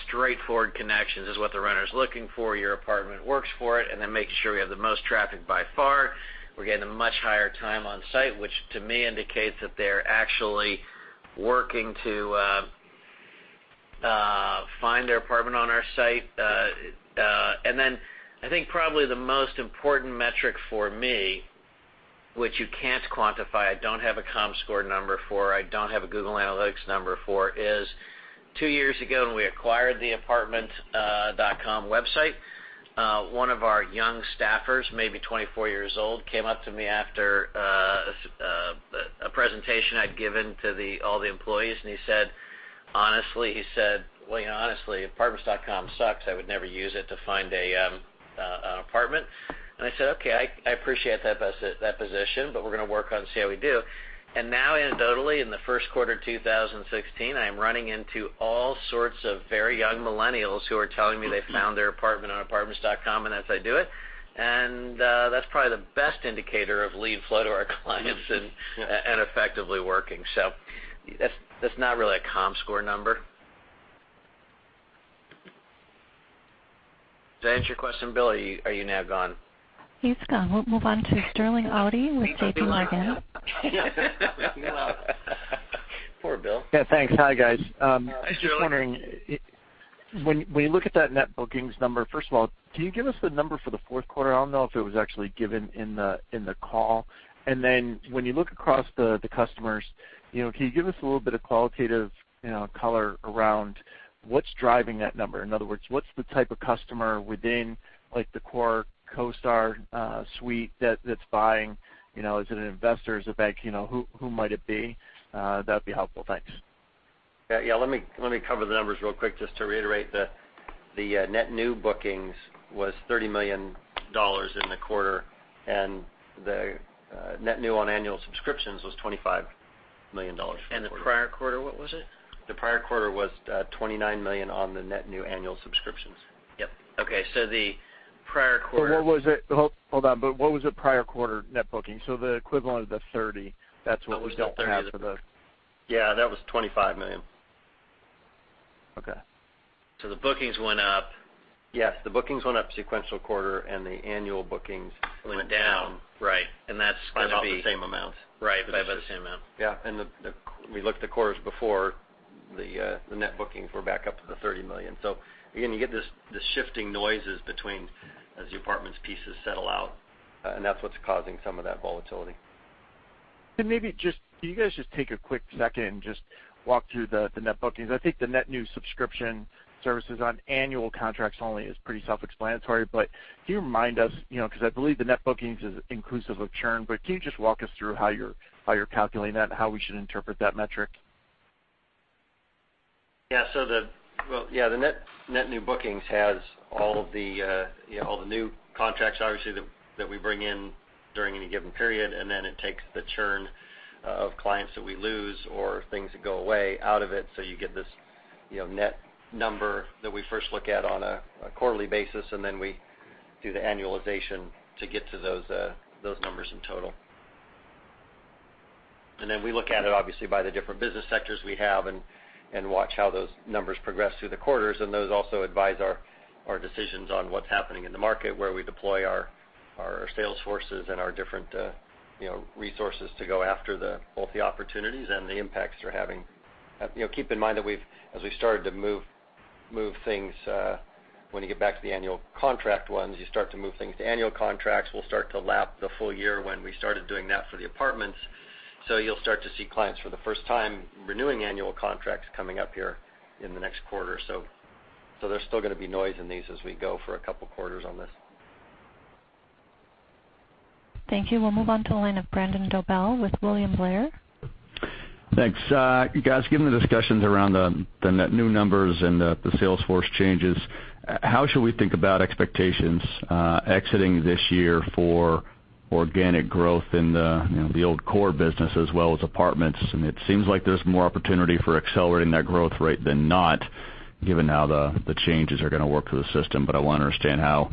straightforward connections is what the renter's looking for, your apartment works for it, and then making sure we have the most traffic by far. We're getting a much higher time on site, which to me indicates that they're actually working to find their apartment on our site. I think probably the most important metric for me, which you can't quantify, I don't have a Comscore number for, I don't have a Google Analytics number for is, two years ago when we acquired the Apartments.com website, one of our young staffers, maybe 24 years old, came up to me after a presentation I'd given to all the employees, and he said, "Honestly," he said, "well, honestly, Apartments.com sucks. I would never use it to find an apartment." I said, "Okay, I appreciate that position, but we're going to work on it and see how we do." Now, anecdotally, in the first quarter of 2016, I am running into all sorts of very young millennials who are telling me they found their apartment on Apartments.com, and that they do it. That's probably the best indicator of lead flow to our clients and effectively working. That's not really a Comscore number. Does that answer your question, Bill, or are you now gone? He's gone. We'll move on to Sterling Auty with JPMorgan. Poor Bill. Yeah, thanks. Hi, guys. Hi, Sterling. Just wondering, when you look at that net bookings number, first of all, can you give us the number for the fourth quarter? I don't know if it was actually given in the call. Then when you look across the customers, can you give us a little bit of qualitative color around what's driving that number? In other words, what's the type of customer within the core CoStar Suite that's buying? Is it an investor? Is it a bank? Who might it be? That'd be helpful. Thanks. Yeah. Let me cover the numbers real quick just to reiterate. The net new bookings was $30 million in the quarter, the net new on annual subscriptions was $25 million for the quarter. The prior quarter, what was it? The prior quarter was $29 million on the net new annual subscriptions. Yep. Okay. The prior quarter. What was it Hold on, what was the prior quarter net bookings? The equivalent of the 30, that's what we don't have for the. Yeah, that was $25 million. Okay. The bookings went up. Yes, the bookings went up sequential quarter and the annual bookings went down. Went down. Right. That's going to be. About the same amount. Right, about the same amount. Yeah. When you look at the quarters before, the net bookings were back up to the $30 million. Again, you get these shifting noises between as the apartments pieces settle out, and that's what's causing some of that volatility. Maybe just, can you guys just take a quick second and just walk through the net bookings? I think the net new subscription services on annual contracts only is pretty self-explanatory. Can you remind us, because I believe the net bookings is inclusive of churn, but can you just walk us through how you're calculating that and how we should interpret that metric? Yeah. The net new bookings has all the new contracts, obviously, that we bring in during any given period, and then it takes the churn of clients that we lose or things that go away out of it. You get this net number that we first look at on a quarterly basis, and then we do the annualization to get to those numbers in total. Then we look at it obviously by the different business sectors we have and watch how those numbers progress through the quarters, and those also advise our decisions on what's happening in the market, where we deploy our sales forces and our different resources to go after both the opportunities and the impacts they're having. Keep in mind that as we started to move things, you start to move things to annual contracts. We'll start to lap the full year when we started doing that for the Apartments. You'll start to see clients for the first time renewing annual contracts coming up here in the next quarter or so. There's still going to be noise in these as we go for a couple of quarters on this. Thank you. We'll move on to the line of Brandon Dobell with William Blair. Thanks. You guys, given the discussions around the net new numbers and the sales force changes, how should we think about expectations exiting this year for organic growth in the old core business as well as apartments? I mean, it seems like there's more opportunity for accelerating that growth rate than not, given how the changes are going to work through the system, I want to understand how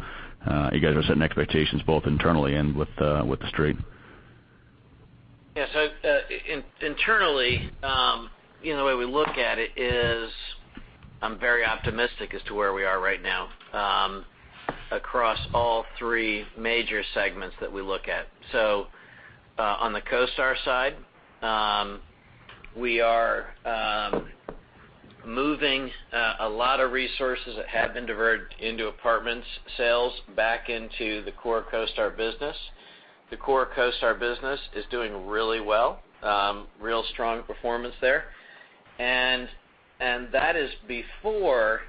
you guys are setting expectations both internally and with the Street. Yeah. Internally, the way we look at it is I'm very optimistic as to where we are right now across all three major segments that we look at. On the CoStar side, we are moving a lot of resources that have been diverted into apartments sales back into the core CoStar business. The core CoStar business is doing really well. Real strong performance there. That is before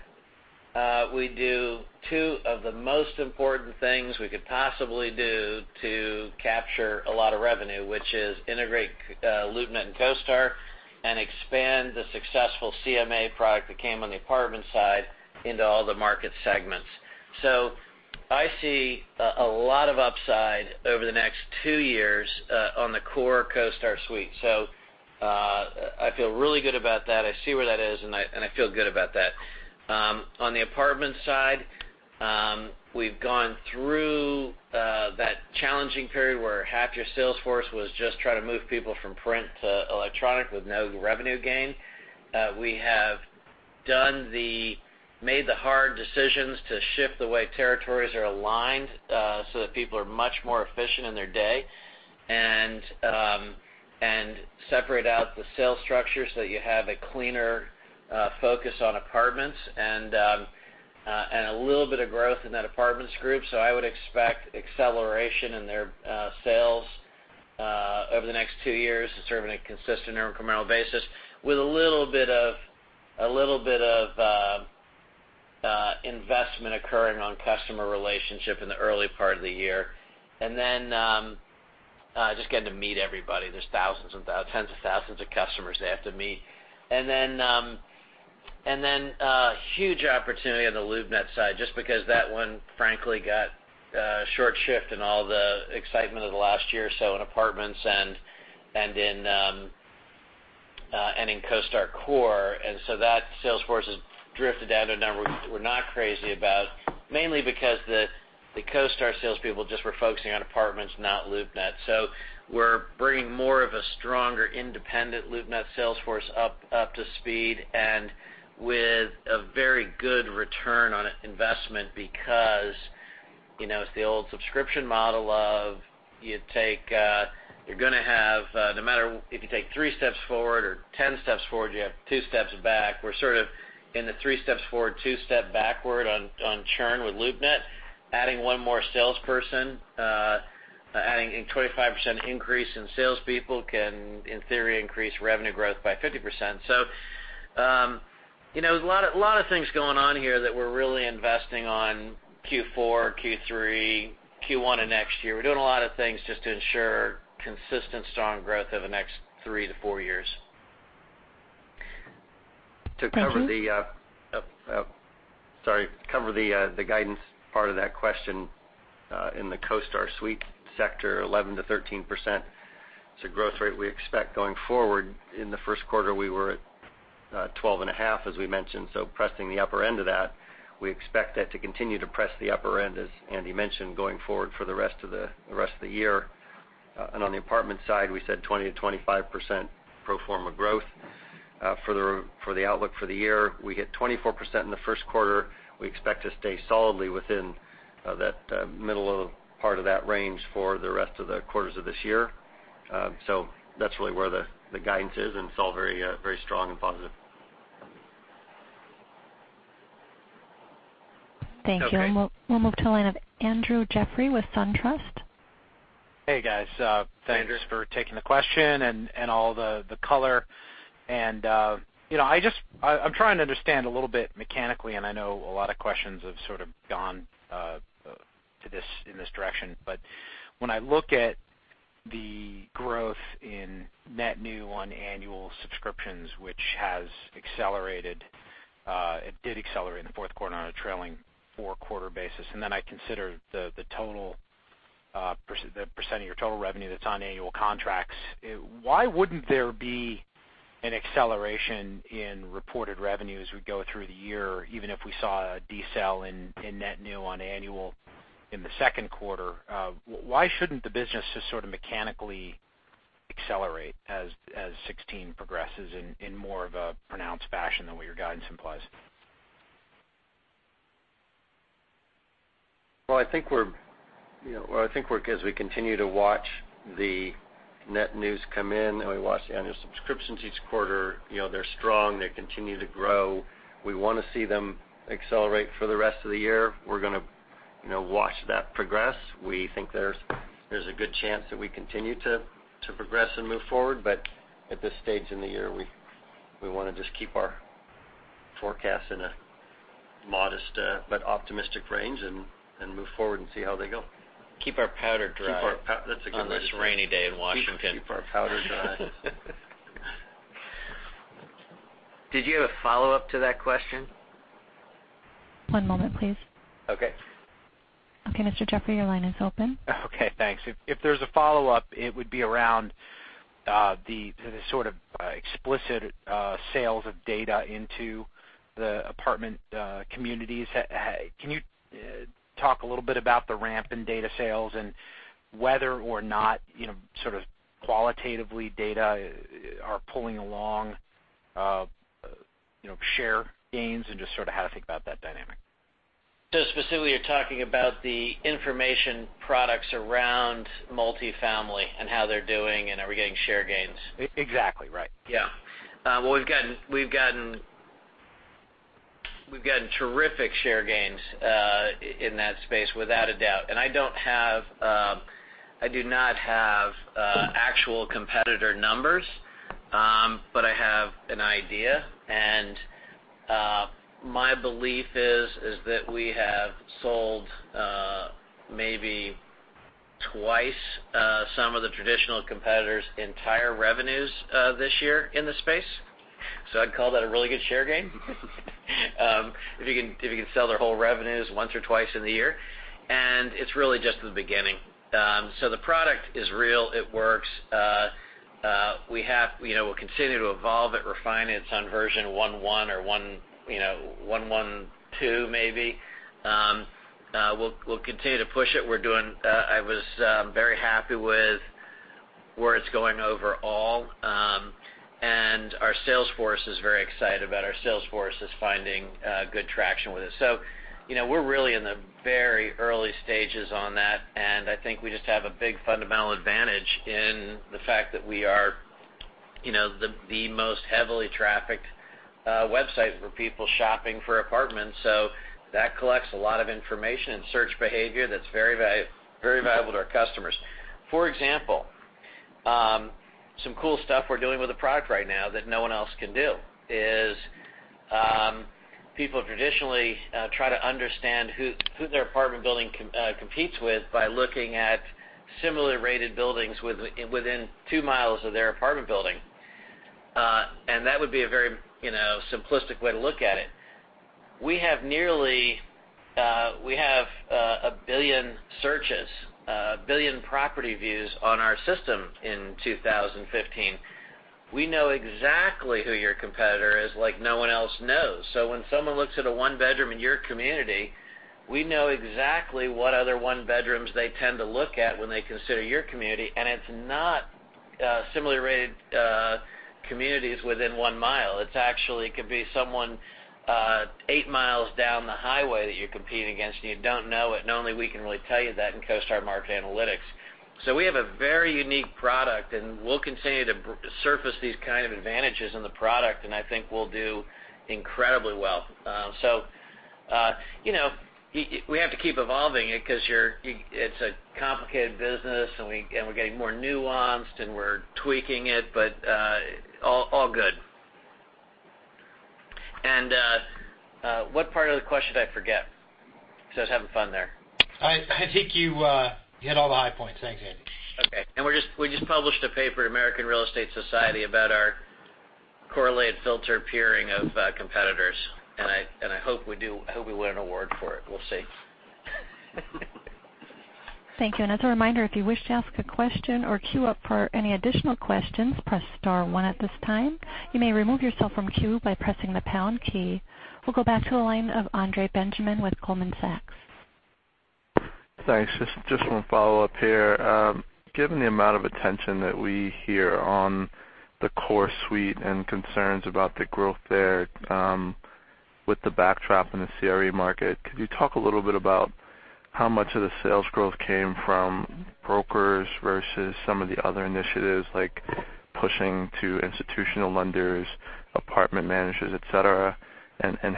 we do two of the most important things we could possibly do to capture a lot of revenue, which is integrate LoopNet and CoStar and expand the successful CMA product that came on the apartment side into all the market segments. I see a lot of upside over the next two years on the core CoStar Suite. I feel really good about that. I see where that is, I feel good about that. On the apartments side, we've gone through that challenging period where half your sales force was just trying to move people from print to electronic with no revenue gain. We have made the hard decisions to shift the way territories are aligned so that people are much more efficient in their day, separate out the sales structure so that you have a cleaner focus on apartments, a little bit of growth in that apartments group. I would expect acceleration in their sales over the next two years to serve on a consistent incremental basis with a little bit of investment occurring on customer relationship in the early part of the year. Then just getting to meet everybody. There's tens of thousands of customers they have to meet. A huge opportunity on the LoopNet side, just because that one frankly got short-shifted in all the excitement of the last year or so in apartments and in CoStar Core. That sales force has drifted down to numbers we're not crazy about, mainly because the CoStar salespeople just were focusing on apartments, not LoopNet. We're bringing more of a stronger independent LoopNet sales force up to speed and with a very good return on investment because it's the old subscription model of if you take three steps forward or 10 steps forward, you have two steps back. We're sort of in the three steps forward, two step backward on churn with LoopNet. Adding one more salesperson, adding a 25% increase in salespeople can, in theory, increase revenue growth by 50%. There's a lot of things going on here that we're really investing on Q4, Q3, Q1 of next year. We're doing a lot of things just to ensure consistent, strong growth over the next three to four years. To cover the- Sorry, cover the guidance part of that question. In the CoStar Suite sector, 11%-13% is the growth rate we expect going forward. In the first quarter, we were at 12.5%, as we mentioned, pressing the upper end of that. We expect that to continue to press the upper end, as Andy mentioned, going forward for the rest of the year. On the apartment side, we said 20%-25% pro forma growth for the outlook for the year. We hit 24% in the first quarter. We expect to stay solidly within that middle part of that range for the rest of the quarters of this year. That's really where the guidance is, and it's all very strong and positive. Thank you. Okay. We'll move to the line of Andrew Jeffrey with SunTrust. Hey, guys. Hi, Andrew. Thanks for taking the question and all the color. I'm trying to understand a little bit mechanically, and I know a lot of questions have sort of gone in this direction. When I look at the growth in net new on annual subscriptions, which did accelerate in the fourth quarter on a trailing four-quarter basis, then I consider the % of your total revenue that's on annual contracts, why wouldn't there be an acceleration in reported revenue as we go through the year, even if we saw a decel in net new on annual in the second quarter? Why shouldn't the business just sort of mechanically accelerate as 2016 progresses in more of a pronounced fashion than what your guidance implies? Well, I think as we continue to watch the net new come in, we watch the annual subscriptions each quarter, they're strong. They continue to grow. We want to see them accelerate for the rest of the year. We're going to watch that progress. We think there's a good chance that we continue to progress and move forward. At this stage in the year, we want to just keep our forecast in a modest but optimistic range and move forward and see how they go. Keep our powder dry. That's a good way to say it. On this rainy day in Washington. Keep our powder dry. Did you have a follow-up to that question? One moment, please. Okay. Okay, Mr. Jeffrey, your line is open. Okay, thanks. If there's a follow-up, it would be around the sort of explicit sales of data into the apartment communities. Can you talk a little bit about the ramp in data sales and whether or not sort of qualitatively data are pulling along share gains and just sort of how to think about that dynamic? Specifically, you're talking about the information products around multifamily and how they're doing, and are we getting share gains? Exactly, right. Yeah. Well, we've gotten terrific share gains in that space, without a doubt. I do not have actual competitor numbers, but I have an idea, and my belief is that we have sold maybe twice some of the traditional competitors' entire revenues this year in the space. I'd call that a really good share gain. If you can sell their whole revenues once or twice in a year, and it's really just the beginning. The product is real. It works. We'll continue to evolve it, refine it. It's on version one one or one one two maybe. We'll continue to push it. I was very happy with where it's going overall. Our sales force is very excited about it. Our sales force is finding good traction with it. We're really in the very early stages on that, and I think we just have a big fundamental advantage in the fact that we are the most heavily trafficked website for people shopping for apartments. That collects a lot of information and search behavior that's very valuable to our customers. For example, some cool stuff we're doing with the product right now that no one else can do is, people traditionally try to understand who their apartment building competes with by looking at similarly rated buildings within two miles of their apartment building. That would be a very simplistic way to look at it. We have 1 billion searches, 1 billion property views on our system in 2015. We know exactly who your competitor is like no one else knows. When someone looks at a one-bedroom in your community, we know exactly what other one-bedrooms they tend to look at when they consider your community, and it's not similarly rated communities within one mile. It actually could be someone eight miles down the highway that you're competing against, and you don't know it, and only we can really tell you that in CoStar Market Analytics. We have a very unique product, and we'll continue to surface these kind of advantages in the product, and I think we'll do incredibly well. We have to keep evolving it because it's a complicated business, and we're getting more nuanced, and we're tweaking it, but all good. What part of the question did I forget? Because I was having fun there. I think you hit all the high points. Thanks, Andy. Okay. We just published a paper, American Real Estate Society, about our correlated filter pairing of competitors. I hope we win an award for it. We'll see. Thank you. As a reminder, if you wish to ask a question or queue up for any additional questions, press star 1 at this time. You may remove yourself from queue by pressing the pound key. We'll go back to the line of Andre Benjamin with Goldman Sachs. Thanks. Just one follow-up here. Given the amount of attention that we hear on the CoStar Suite and concerns about the growth there with the backdrop in the CRE market, could you talk a little bit about how much of the sales growth came from brokers versus some of the other initiatives, like pushing to institutional lenders, apartment managers, et cetera?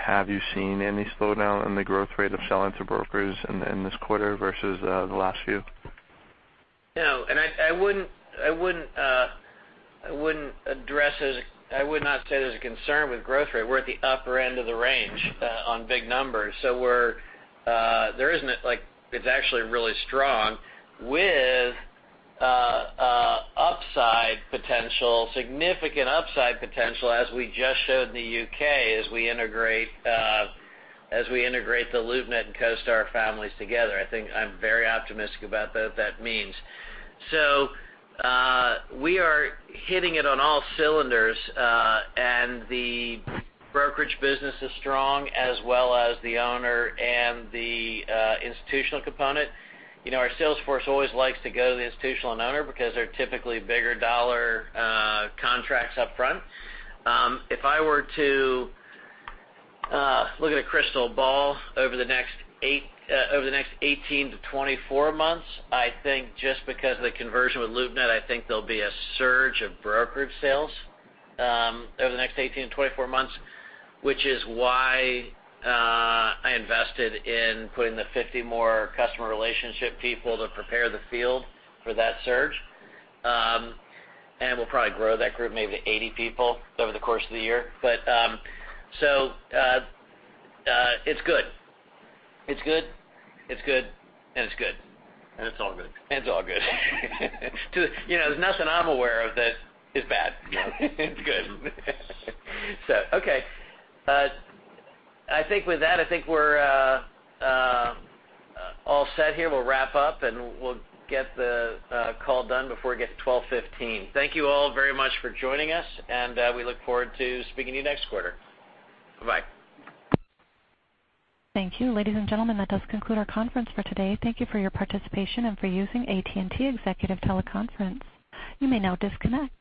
Have you seen any slowdown in the growth rate of selling to brokers in this quarter versus the last few? No, I would not say there's a concern with growth rate. We're at the upper end of the range on big numbers. It's actually really strong with significant upside potential as we just showed in the U.K. as we integrate the LoopNet and CoStar families together. I think I'm very optimistic about what that means. We are hitting it on all cylinders. The brokerage business is strong, as well as the owner and the institutional component. Our sales force always likes to go to the institutional and owner because they're typically bigger dollar contracts upfront. If I were to look at a crystal ball over the next 18 to 24 months, I think just because of the conversion with LoopNet, I think there'll be a surge of brokerage sales over the next 18 to 24 months, which is why I invested in putting the 50 more customer relationship people to prepare the field for that surge. We'll probably grow that group maybe to 80 people over the course of the year. It's good. It's good, it's good, and it's good. It's all good. It's all good. There's nothing I'm aware of that is bad. Yeah. It's good. Okay. I think with that, I think we're all set here. We'll wrap up, and we'll get the call done before it gets 12:15. Thank you all very much for joining us, and we look forward to speaking to you next quarter. Bye-bye. Thank you. Ladies and gentlemen, that does conclude our conference for today. Thank you for your participation and for using AT&T Executive Teleconference. You may now disconnect.